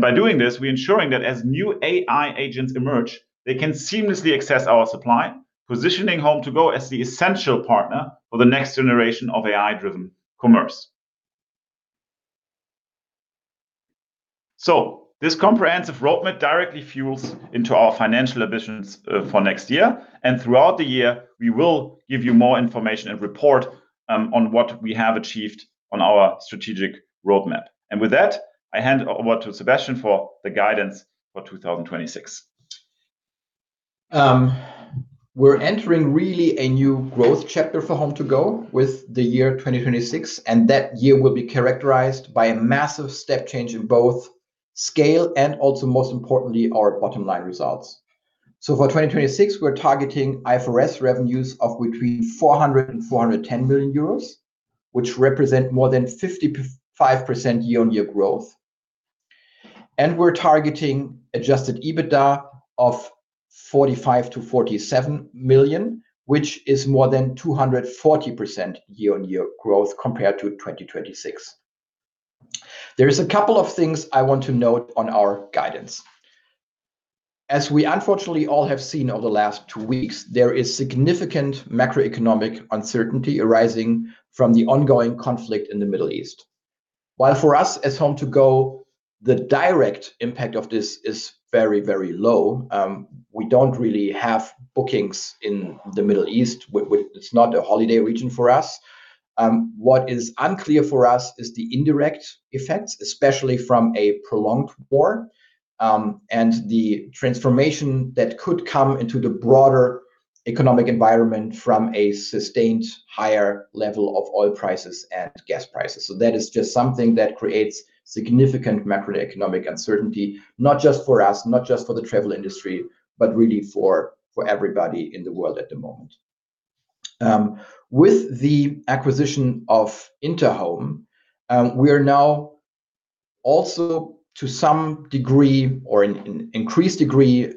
By doing this, we're ensuring that as new AI agents emerge, they can seamlessly access our supply, positioning HomeToGo as the essential partner for the next generation of AI-driven commerce. This comprehensive roadmap directly feeds into our financial ambitions for next year. Throughout the year, we will give you more information and report on what we have achieved on our strategic roadmap. With that, I hand over to Sebastian for the guidance for 2026. We're entering really a new growth chapter for HomeToGo with the year 2026, and that year will be characterized by a massive step change in both scale and also, most importantly, our bottom line results. For 2026, we're targeting IFRS revenues of between 400 million euros and 410 million euros, which represent more than 55% year-on-year growth. We're targeting adjusted EBITDA of 45 million-47 million, which is more than 240% year-on-year growth compared to 2026. There is a couple of things I want to note on our guidance. As we unfortunately all have seen over the last two weeks, there is significant macroeconomic uncertainty arising from the ongoing conflict in the Middle East. While for us as HomeToGo, the direct impact of this is very, very low, we don't really have bookings in the Middle East. It's not a holiday region for us. What is unclear for us is the indirect effects, especially from a prolonged war, and the transformation that could come into the broader economic environment from a sustained higher level of oil prices and gas prices. That is just something that creates significant macroeconomic uncertainty, not just for us, not just for the travel industry, but really for everybody in the world at the moment. With the acquisition of Interhome, we are now also to some degree or an increased degree,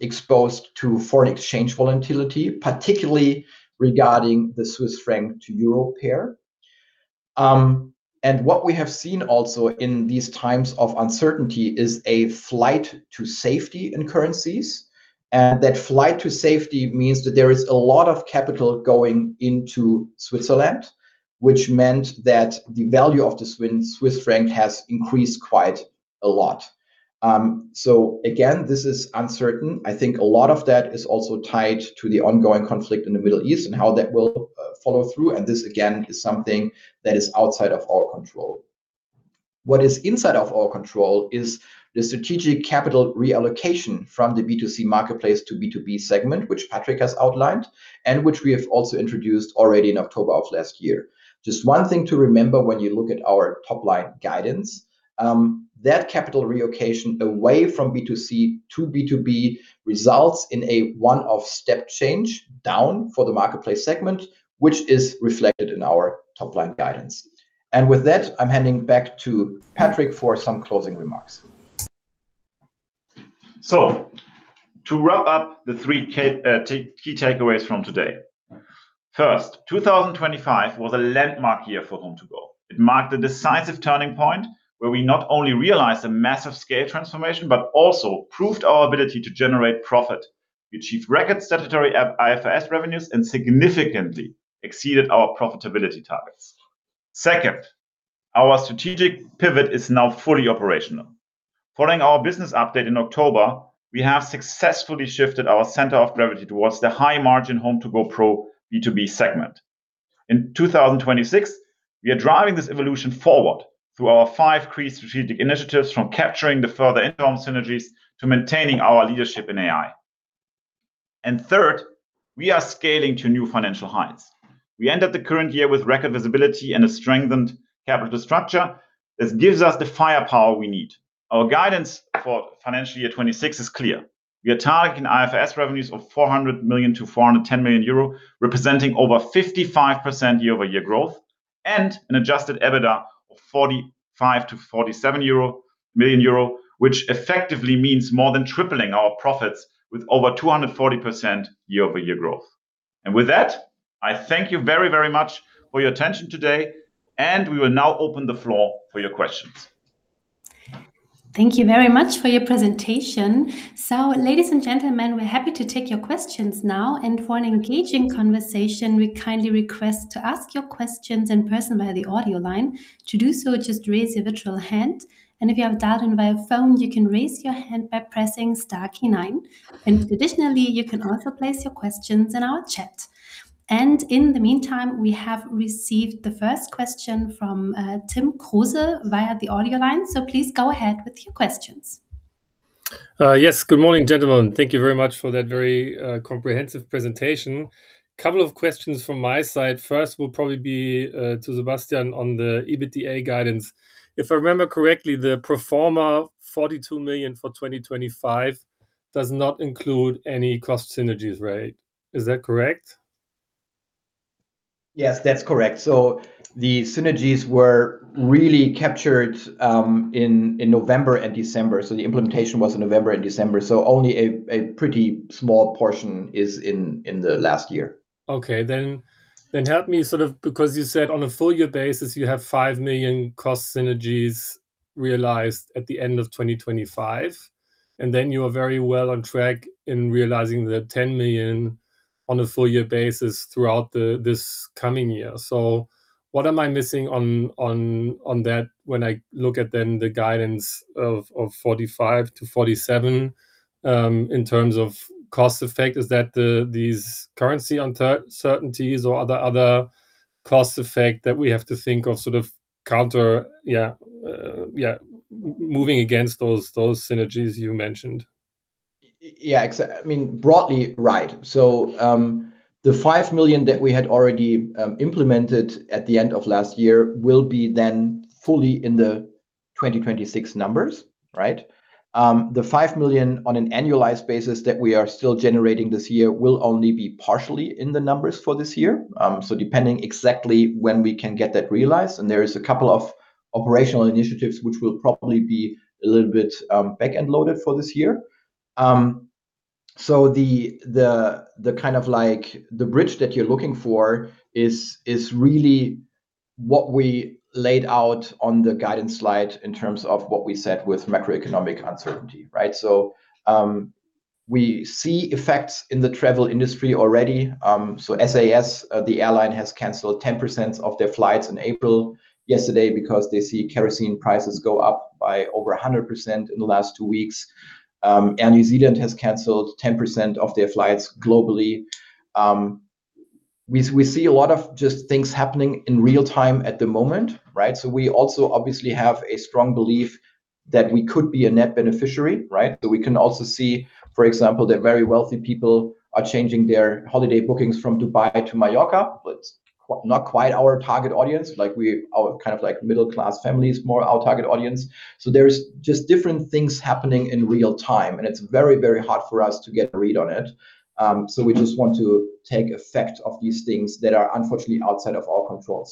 exposed to foreign exchange volatility, particularly regarding the Swiss franc to euro pair. What we have seen also in these times of uncertainty is a flight to safety in currencies. That flight to safety means that there is a lot of capital going into Switzerland, which meant that the value of the Swiss franc has increased quite a lot. Again, this is uncertain. I think a lot of that is also tied to the ongoing conflict in the Middle East and how that will follow through, and this again is something that is outside of our control. What is inside of our control is the strategic capital reallocation from the B2C marketplace to B2B segment, which Patrick has outlined, and which we have also introduced already in October of last year. Just one thing to remember when you look at our top-line guidance, that capital reallocation away from B2C to B2B results in a one-off step change down for the marketplace segment, which is reflected in our top-line guidance. With that, I'm handing back to Patrick for some closing remarks. To wrap up the three key takeaways from today. First, 2025 was a landmark year for HomeToGo. It marked a decisive turning point where we not only realized a massive scale transformation, but also proved our ability to generate profit. We achieved record statutory, IFRS revenues and significantly exceeded our profitability targets. Second, our strategic pivot is now fully operational. Following our business update in October, we have successfully shifted our center of gravity towards the high-margin HomeToGo_PRO B2B segment. In 2026, we are driving this evolution forward through our five key strategic initiatives, from capturing the further internal synergies to maintaining our leadership in AI. Third, we are scaling to new financial heights. We ended the current year with record visibility and a strengthened capital structure. This gives us the firepower we need. Our guidance for financial year 2026 is clear. We are targeting IFRS revenues of 400 million-410 million euro, representing over 55% year-over-year growth, and an adjusted EBITDA of 45 million-47 million euro, which effectively means more than tripling our profits with over 240% year-over-year growth. With that, I thank you very, very much for your attention today, and we will now open the floor for your questions. Thank you very much for your presentation. Ladies and gentlemen, we're happy to take your questions now. For an engaging conversation, we kindly request to ask your questions in person via the audio line. To do so, just raise your virtual hand, and if you have dialed in via phone, you can raise your hand by pressing star key nine. Additionally, you can also place your questions in our chat. In the meantime, we have received the first question from Tim Kruse via the audio line. Please go ahead with your questions. Yes. Good morning, gentlemen. Thank you very much for that very comprehensive presentation. Couple of questions from my side. First will probably be to Sebastian on the EBITDA guidance. If I remember correctly, the pro forma 42 million for 2025 does not include any cost synergies, right? Is that correct? Yes, that's correct. The synergies were really captured in November and December. The implementation was in November and December, only a pretty small portion is in the last year. Help me sort of because you said on a full year basis you have 5 million cost synergies realized at the end of 2025, and then you are very well on track in realizing the 10 million on a full year basis throughout this coming year. What am I missing on that when I look at the guidance of 45-47 in terms of cost effect? Is that these currency uncertainties or other cost effect that we have to think of sort of counter moving against those synergies you mentioned? Yeah. I mean, broadly, right. The 5 million that we had already implemented at the end of last year will be then fully in the 2026 numbers, right? The 5 million on an annualized basis that we are still generating this year will only be partially in the numbers for this year. Depending exactly when we can get that realized, and there is a couple of operational initiatives which will probably be a little bit back-end loaded for this year. The kind of like the bridge that you're looking for is really what we laid out on the guidance slide in terms of what we said with macroeconomic uncertainty, right? We see effects in the travel industry already. SAS, the airline, has canceled 10% of their flights in April yesterday because they see kerosene prices go up by over 100% in the last two weeks. Air New Zealand has canceled 10% of their flights globally. We see a lot of just things happening in real time at the moment, right? We also obviously have a strong belief that we could be a net beneficiary, right? That we can also see, for example, that very wealthy people are changing their holiday bookings from Dubai to Majorca, but not quite our target audience. Like, our kind of like middle-class families more our target audience. There's just different things happening in real time, and it's very, very hard for us to get a read on it. We just want to take effect of these things that are unfortunately outside of our control.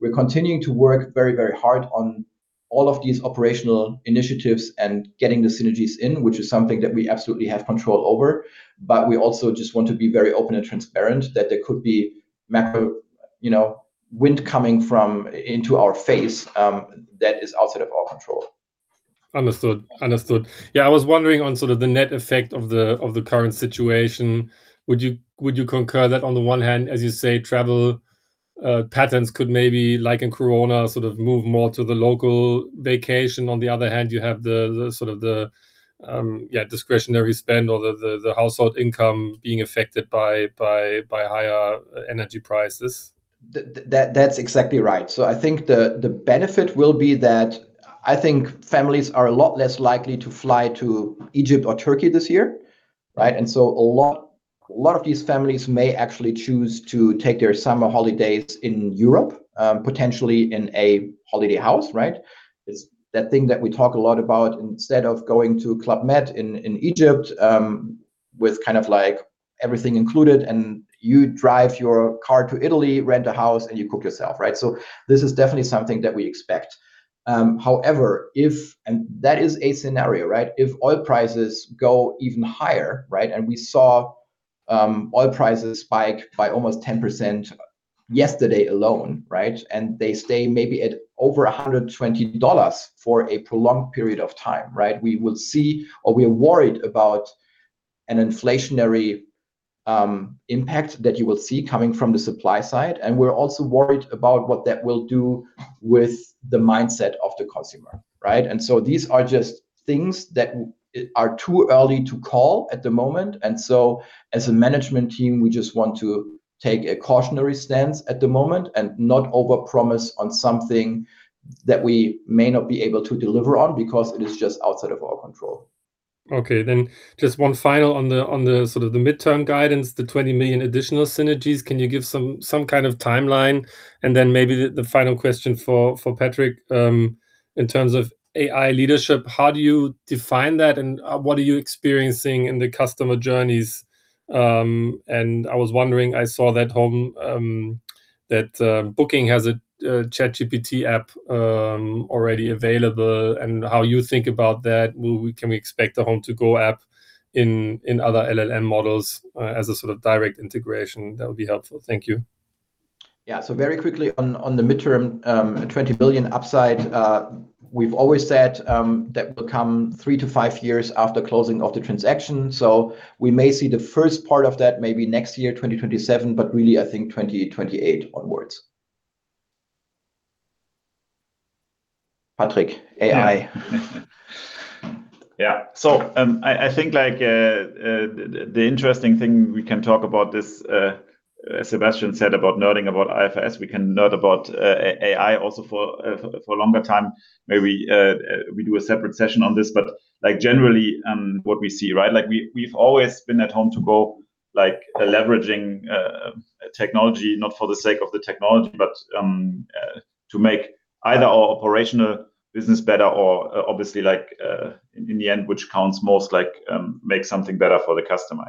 We're continuing to work very hard on all of these operational initiatives and getting the synergies in, which is something that we absolutely have control over. We also just want to be very open and transparent that there could be macro, you know, headwind coming into our face that is outside of our control. Understood. Yeah, I was wondering on sort of the net effect of the current situation. Would you concur that on the one hand, as you say, travel patterns could maybe, like in Corona, sort of move more to the local vacation? On the other hand, you have the sort of, yeah, discretionary spend or the household income being affected by higher energy prices. That's exactly right. I think the benefit will be that I think families are a lot less likely to fly to Egypt or Turkey this year, right? A lot of these families may actually choose to take their summer holidays in Europe, potentially in a holiday house, right? It's that thing that we talk a lot about instead of going to Club Med in Egypt, with kind of like everything included, and you drive your car to Italy, rent a house, and you cook yourself, right? This is definitely something that we expect. However, that is a scenario, right? If oil prices go even higher, right? We saw oil prices spike by almost 10% yesterday alone, right? They stay maybe at over $120 for a prolonged period of time, right? We will see or we are worried about an inflationary impact that you will see coming from the supply side, and we're also worried about what that will do with the mindset of the consumer, right? These are just things that are too early to call at the moment. As a management team, we just want to take a cautionary stance at the moment and not overpromise on something that we may not be able to deliver on because it is just outside of our control. Okay. Just one final on the sort of midterm guidance, the 20 million additional synergies. Can you give some kind of timeline? Maybe the final question for Patrick, in terms of AI leadership, how do you define that, and what are you experiencing in the customer journeys? I was wondering, I saw that Booking has a ChatGPT app already available and how you think about that. Can we expect the HomeToGo app in other LLM models as a sort of direct integration? That would be helpful. Thank you. Yeah. Very quickly on the midterm, 20 billion upside. We've always said that will come three to five years after closing of the transaction. We may see the first part of that maybe next year, 2027, but really I think 2028 onwards. Patrick, AI. Yeah. Yeah. I think like the interesting thing we can talk about this, Sebastian said about nerding about IFRS, we can nerd about AI also for longer time. Maybe we do a separate session on this. Like, generally, what we see, right? Like we've always been at HomeToGo, like leveraging technology, not for the sake of the technology, but to make either our operational business better or obviously like in the end, which counts most like make something better for the customer.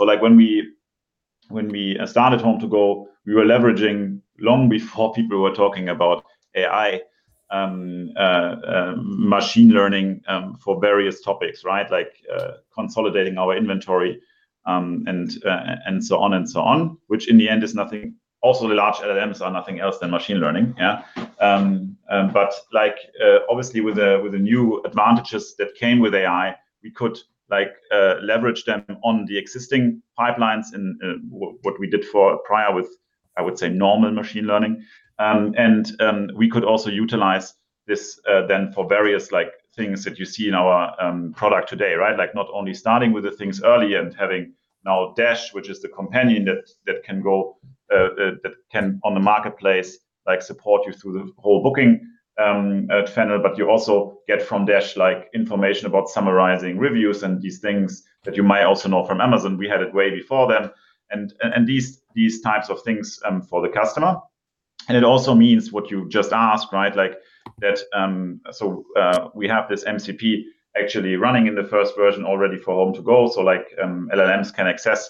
Like when we started HomeToGo, we were leveraging long before people were talking about AI, machine learning for various topics, right? Like, consolidating our inventory, and so on, which in the end is nothing. Also the large LLMs are nothing else than machine learning, yeah. Like, obviously with the new advantages that came with AI, we could like, leverage them on the existing pipelines and what we did prior with, I would say, normal machine learning. We could also utilize this then for various like things that you see in our product today, right? Like not only starting with the things early and having now Dash, which is the companion that can go that can on the marketplace, like support you through the whole booking at every step, but you also get from Dash like information about summarizing reviews and these things that you might also know from Amazon. We had it way before them and these types of things for the customer. It also means what you just asked, right? Like that, we have this MCP actually running in the first version already for HomeToGo. Like, LLMs can access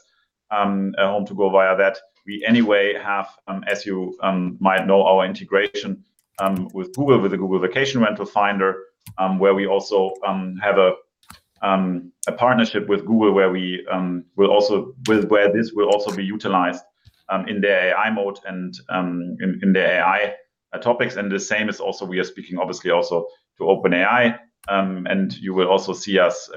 HomeToGo via that. We anyway have, as you might know, our integration with Google, with the Google Vacation Rentals, where we also have a partnership with Google where we will also. Where this will also be utilized in the AI mode and in the AI topics. The same is also we are speaking obviously also to OpenAI, and you will also see us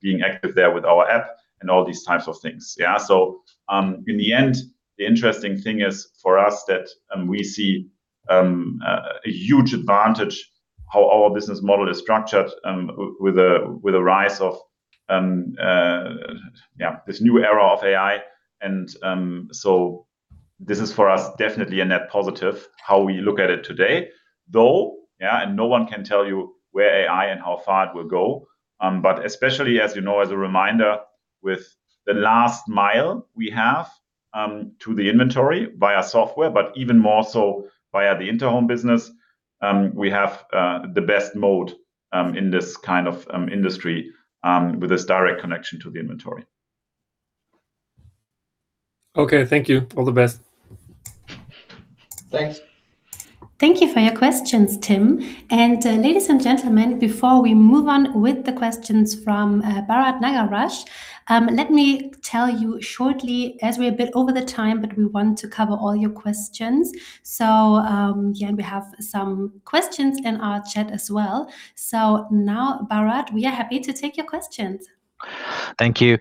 being active there with our app and all these types of things. In the end, the interesting thing is for us that we see a huge advantage how our business model is structured with the rise of this new era of AI. This is for us definitely a net positive how we look at it today. No one can tell you where AI and how far it will go. Especially as you know, as a reminder, with the last mile we have to the inventory via software, but even more so via the Interhome business, we have the best moat in this kind of industry with this direct connection to the inventory. Okay. Thank you. All the best. Thanks. Thank you for your questions, Tim. Ladies and gentlemen, before we move on with the questions from Bharath Nagaraj, let me tell you shortly as we're a bit over the time, but we want to cover all your questions. Yeah, and we have some questions in our chat as well. Now, Bharath, we are happy to take your questions. Thank you.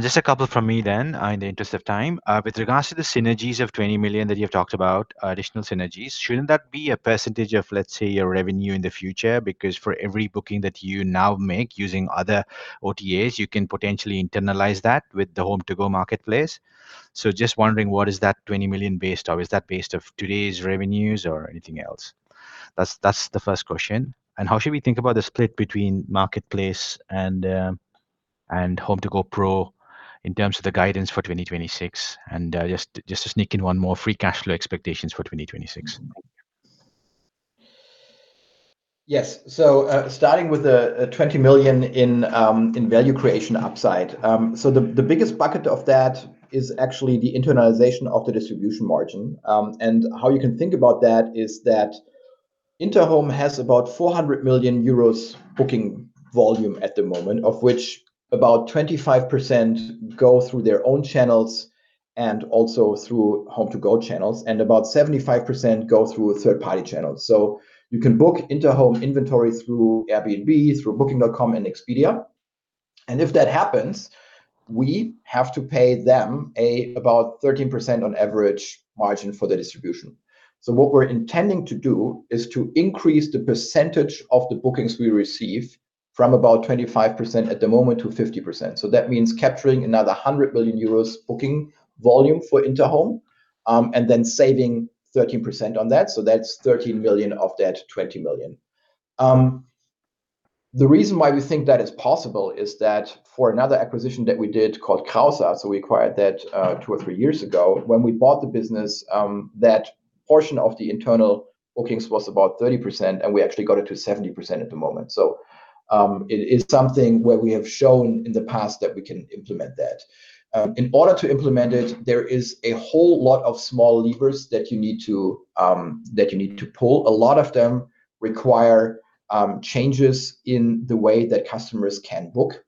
Just a couple from me then in the interest of time. With regards to the synergies of 20 million that you have talked about, additional synergies, shouldn't that be a percentage of, let's say, your revenue in the future? Because for every booking that you now make using other OTAs, you can potentially internalize that with the HomeToGo Marketplace. Just wondering what is that 20 million based on? Is that based on today's revenues or anything else? That's the first question. How should we think about the split between marketplace and HomeToGo_PRO in terms of the guidance for 2026? Just to sneak in one more, free cash flow expectations for 2026. Yes. Starting with the 20 million in value creation upside. The biggest bucket of that is actually the internalization of the distribution margin. How you can think about that is that Interhome has about 400 million euros booking volume at the moment, of which about 25% go through their own channels and also through HomeToGo channels, and about 75% go through a third party channel. You can book Interhome inventory through Airbnb, through Booking.com and Expedia. If that happens, we have to pay them about an average 13% margin for the distribution. What we're intending to do is to increase the percentage of the bookings we receive from about 25% at the moment to 50%. That means capturing another 100 million euros booking volume for Interhome, and then saving 13% on that. That's 13 million of that 20 million. The reason why we think that is possible is that for another acquisition that we did called Casa, we acquired that two or three years ago. When we bought the business, that portion of the internal bookings was about 30%, and we actually got it to 70% at the moment. It is something where we have shown in the past that we can implement that. In order to implement it, there is a whole lot of small levers that you need to pull. A lot of them require changes in the way that customers can book.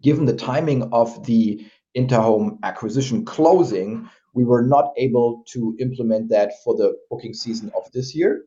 Given the timing of the Interhome acquisition closing, we were not able to implement that for the booking season of this year,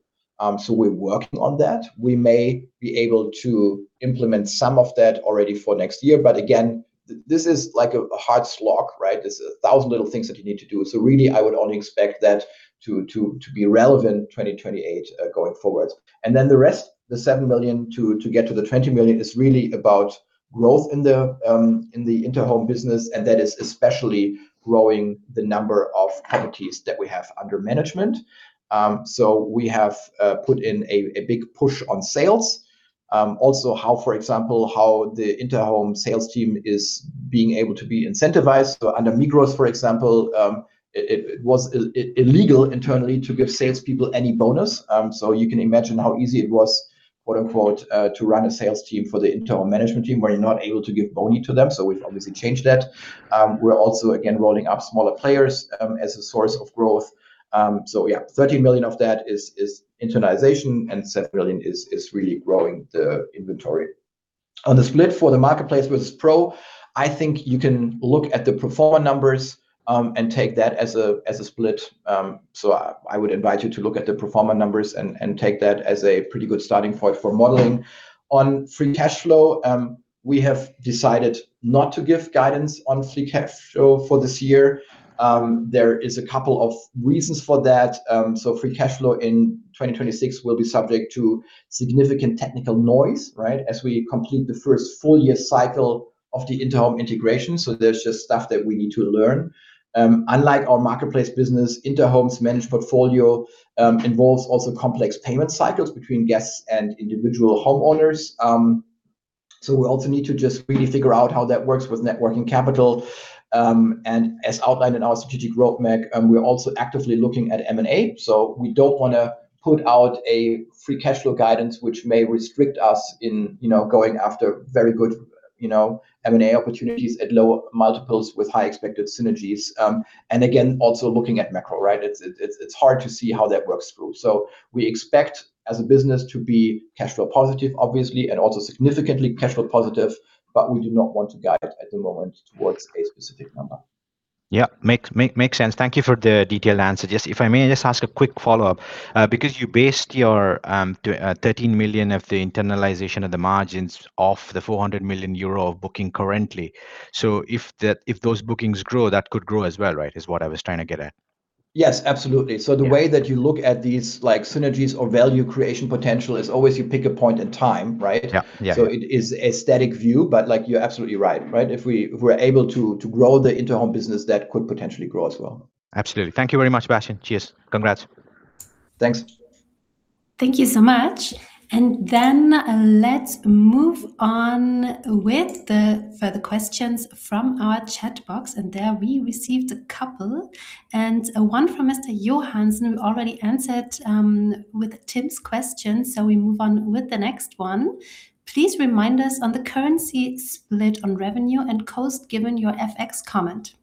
so we're working on that. We may be able to implement some of that already for next year, but again, this is like a hard slog, right? There's a thousand little things that you need to do, so really I would only expect that to be relevant 2028, going forwards. The rest, the 7 million to get to the 20 million is really about growth in the Interhome business, and that is especially growing the number of properties that we have under management. So we have put in a big push on sales. Also, for example, how the Interhome sales team is being able to be incentivized. Under Migros, for example, it was illegal internally to give salespeople any bonus. You can imagine how easy it was, quote-unquote, "To run a sales team for the Interhome management team where you're not able to give bonus to them," so we've obviously changed that. We're also again rolling up smaller players as a source of growth. Yeah, 13 million of that is internalization and 7 million is really growing the inventory. On the split for the marketplace versus pro, I think you can look at the pro forma numbers and take that as a split. I would invite you to look at the pro forma numbers and take that as a pretty good starting point for modeling. On free cash flow, we have decided not to give guidance on free cash flow for this year. There is a couple of reasons for that. Free cash flow in 2026 will be subject to significant technical noise, right? As we complete the first full year cycle of the Interhome integration, there's just stuff that we need to learn. Unlike our marketplace business, Interhome's managed portfolio involves also complex payment cycles between guests and individual homeowners. We also need to just really figure out how that works with net working capital. As outlined in our strategic road map, we're also actively looking at M&A, so we don't wanna put out a free cash flow guidance which may restrict us in, you know, going after very good, you know, M&A opportunities at lower multiples with high expected synergies. Again, also looking at macro, right? It's hard to see how that works through. We expect as a business to be cash flow positive, obviously, and also significantly cash flow positive, but we do not want to guide at the moment towards a specific number. Yeah. Makes sense. Thank you for the detailed answer. Just if I may just ask a quick follow-up. Because you based your 13 million of the internalization of the margins off the 400 million euro of bookings currently, so if that, if those bookings grow, that could grow as well, right? Is what I was trying to get at. Yes, absolutely. Yeah. The way that you look at these like synergies or value creation potential is always you pick a point in time, right? Yeah. Yeah. It is a static view, but like you're absolutely right? If we're able to grow the Interhome business, that could potentially grow as well. Absolutely. Thank you very much, Sebastian. Cheers. Congrats. Thanks. Thank you so much. Let's move on with the further questions from our chat box, and there we received a couple. One from Mr. Johansen we already answered with Tim's question, so we move on with the next one. Please remind us on the currency split on revenue and cost given your FX comment.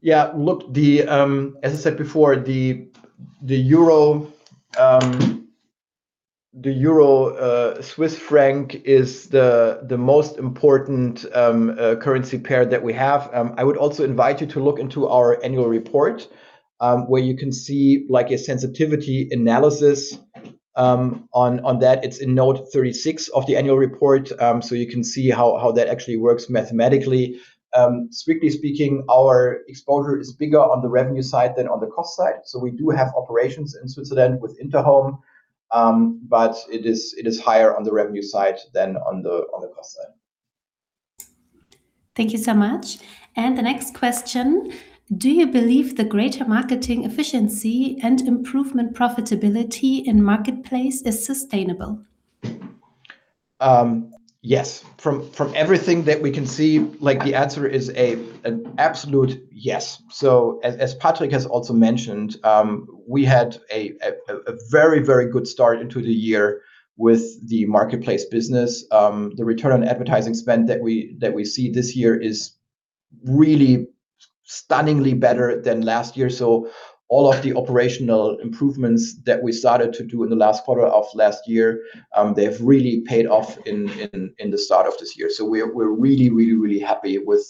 Yeah. Look, as I said before, the euro-Swiss franc is the most important currency pair that we have. I would also invite you to look into our annual report, where you can see like a sensitivity analysis on that. It's in note 36 of the annual report, so you can see how that actually works mathematically. Strictly speaking, our exposure is bigger on the revenue side than on the cost side, so we do have operations in Switzerland with Interhome, but it is higher on the revenue side than on the cost side. Thank you so much. The next question: Do you believe the greater marketing efficiency and improved profitability in marketplace is sustainable? Yes. From everything that we can see, like the answer is an absolute yes. As Patrick has also mentioned, we had a very good start into the year with the marketplace business. The return on advertising spend that we see this year is really stunningly better than last year. All of the operational improvements that we started to do in the last quarter of last year, they have really paid off in the start of this year. We're really happy with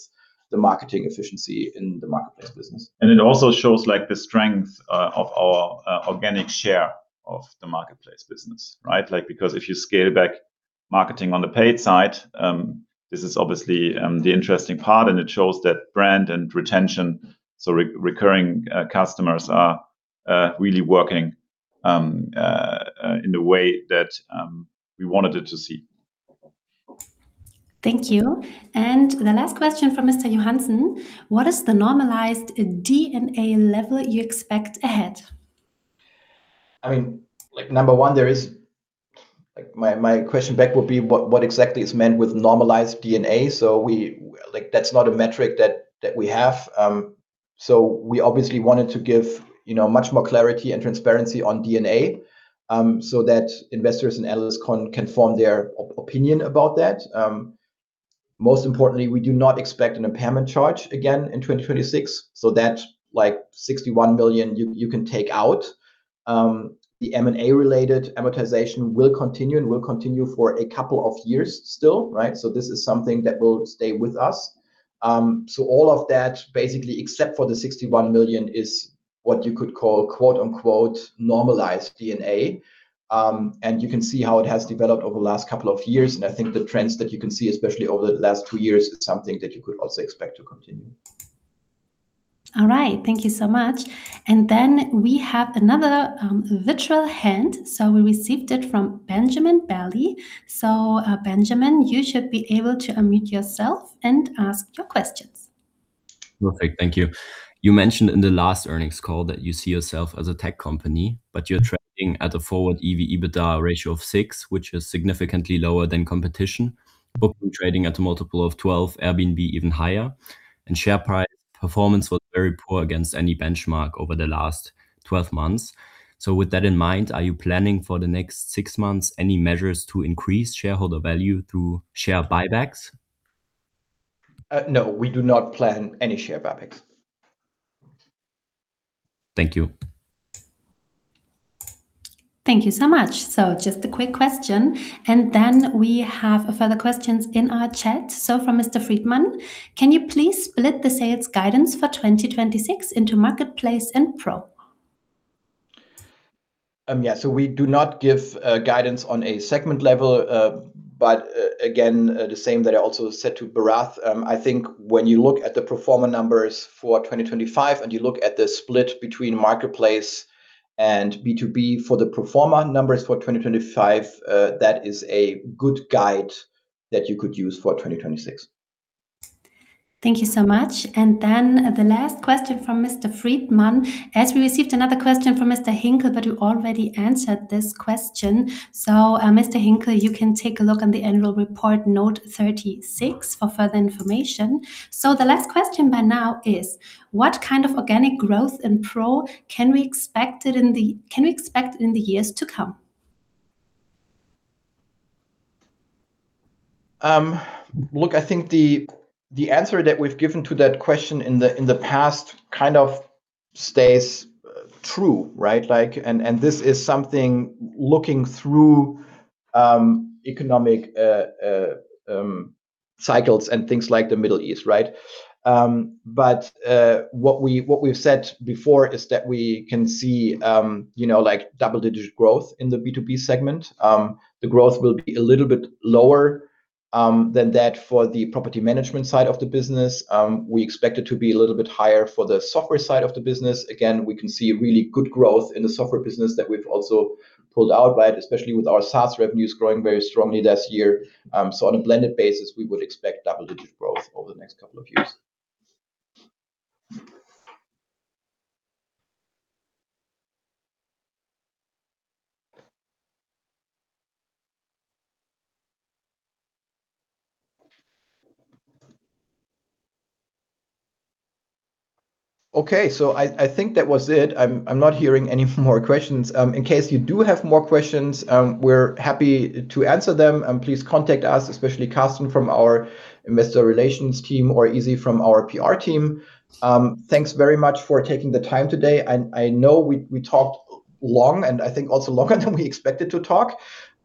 the marketing efficiency in the marketplace business. It also shows like the strength of our organic share of the marketplace business, right? Like, because if you scale back marketing on the paid side, this is obviously the interesting part, and it shows that brand and retention, so recurring customers are really working in the way that we wanted it to see. Thank you. The last question from Mr. Johansen: What is the normalized D&A level you expect ahead? I mean, like, number one, my question back would be what exactly is meant with normalized D&A? That's not a metric that we have. We obviously wanted to give, you know, much more clarity and transparency on D&A, so that investors and analysts can form their opinion about that. Most importantly, we do not expect an impairment charge again in 2026, so that, like, 61 million you can take out. The M&A related amortization will continue for a couple of years still, right? This is something that will stay with us. All of that basically, except for the 61 million, is what you could call, quote-unquote, normalized D&A. You can see how it has developed over the last couple of years. I think the trends that you can see, especially over the last two years, is something that you could also expect to continue. All right. Thank you so much. We have another virtual hand. We received it from Benjamin Bailey. Benjamin, you should be able to unmute yourself and ask your questions. Perfect. Thank you. You mentioned in the last earnings call that you see yourself as a tech company, but you're trading at a forward EBIT/EBITDA ratio of six, which is significantly lower than competition. Booking trading at a multiple of 12, Airbnb even higher, and share price performance was very poor against any benchmark over the last 12 months. With that in mind, are you planning for the next six months any measures to increase shareholder value through share buybacks? No, we do not plan any share buybacks. Thank you. Thank you so much. Just a quick question, and then we have a further questions in our chat. From Mr. Friedman, can you please split the sales guidance for 2026 into marketplace and PRO? We do not give guidance on a segment level. Again, the same that I also said to Bharath. I think when you look at the pro forma numbers for 2025, and you look at the split between Marketplace and B2B for the pro forma numbers for 2025, that is a good guide that you could use for 2026. Thank you so much. Then the last question from Mr. Friedman. As we received another question from Mr. Hinkel, but you already answered this question. Mr. Hinkel, you can take a look on the annual report note 36 for further information. The last question by now is, what kind of organic growth in PRO can we expect in the years to come? Look, I think the answer that we've given to that question in the past kind of stays true, right? Like, this is something looking through economic cycles and things like the Middle East, right? What we've said before is that we can see you know, like double-digit growth in the B2B segment. The growth will be a little bit lower than that for the property management side of the business. We expect it to be a little bit higher for the software side of the business. Again, we can see really good growth in the software business that we've also pulled out, right, especially with our SaaS revenues growing very strongly last year. On a blended basis, we would expect double-digit growth over the next couple of years. Okay. I think that was it. I'm not hearing any more questions. In case you do have more questions, we're happy to answer them, and please contact us, especially Carsten from our Investor Relations team or Izzy from our PR team. Thanks very much for taking the time today, and I know we talked long, and I think also longer than we expected to talk.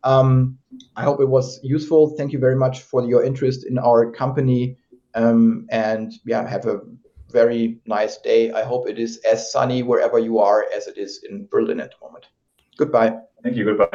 I hope it was useful. Thank you very much for your interest in our company, and yeah, have a very nice day. I hope it is as sunny wherever you are as it is in Berlin at the moment. Goodbye. Thank you. Goodbye.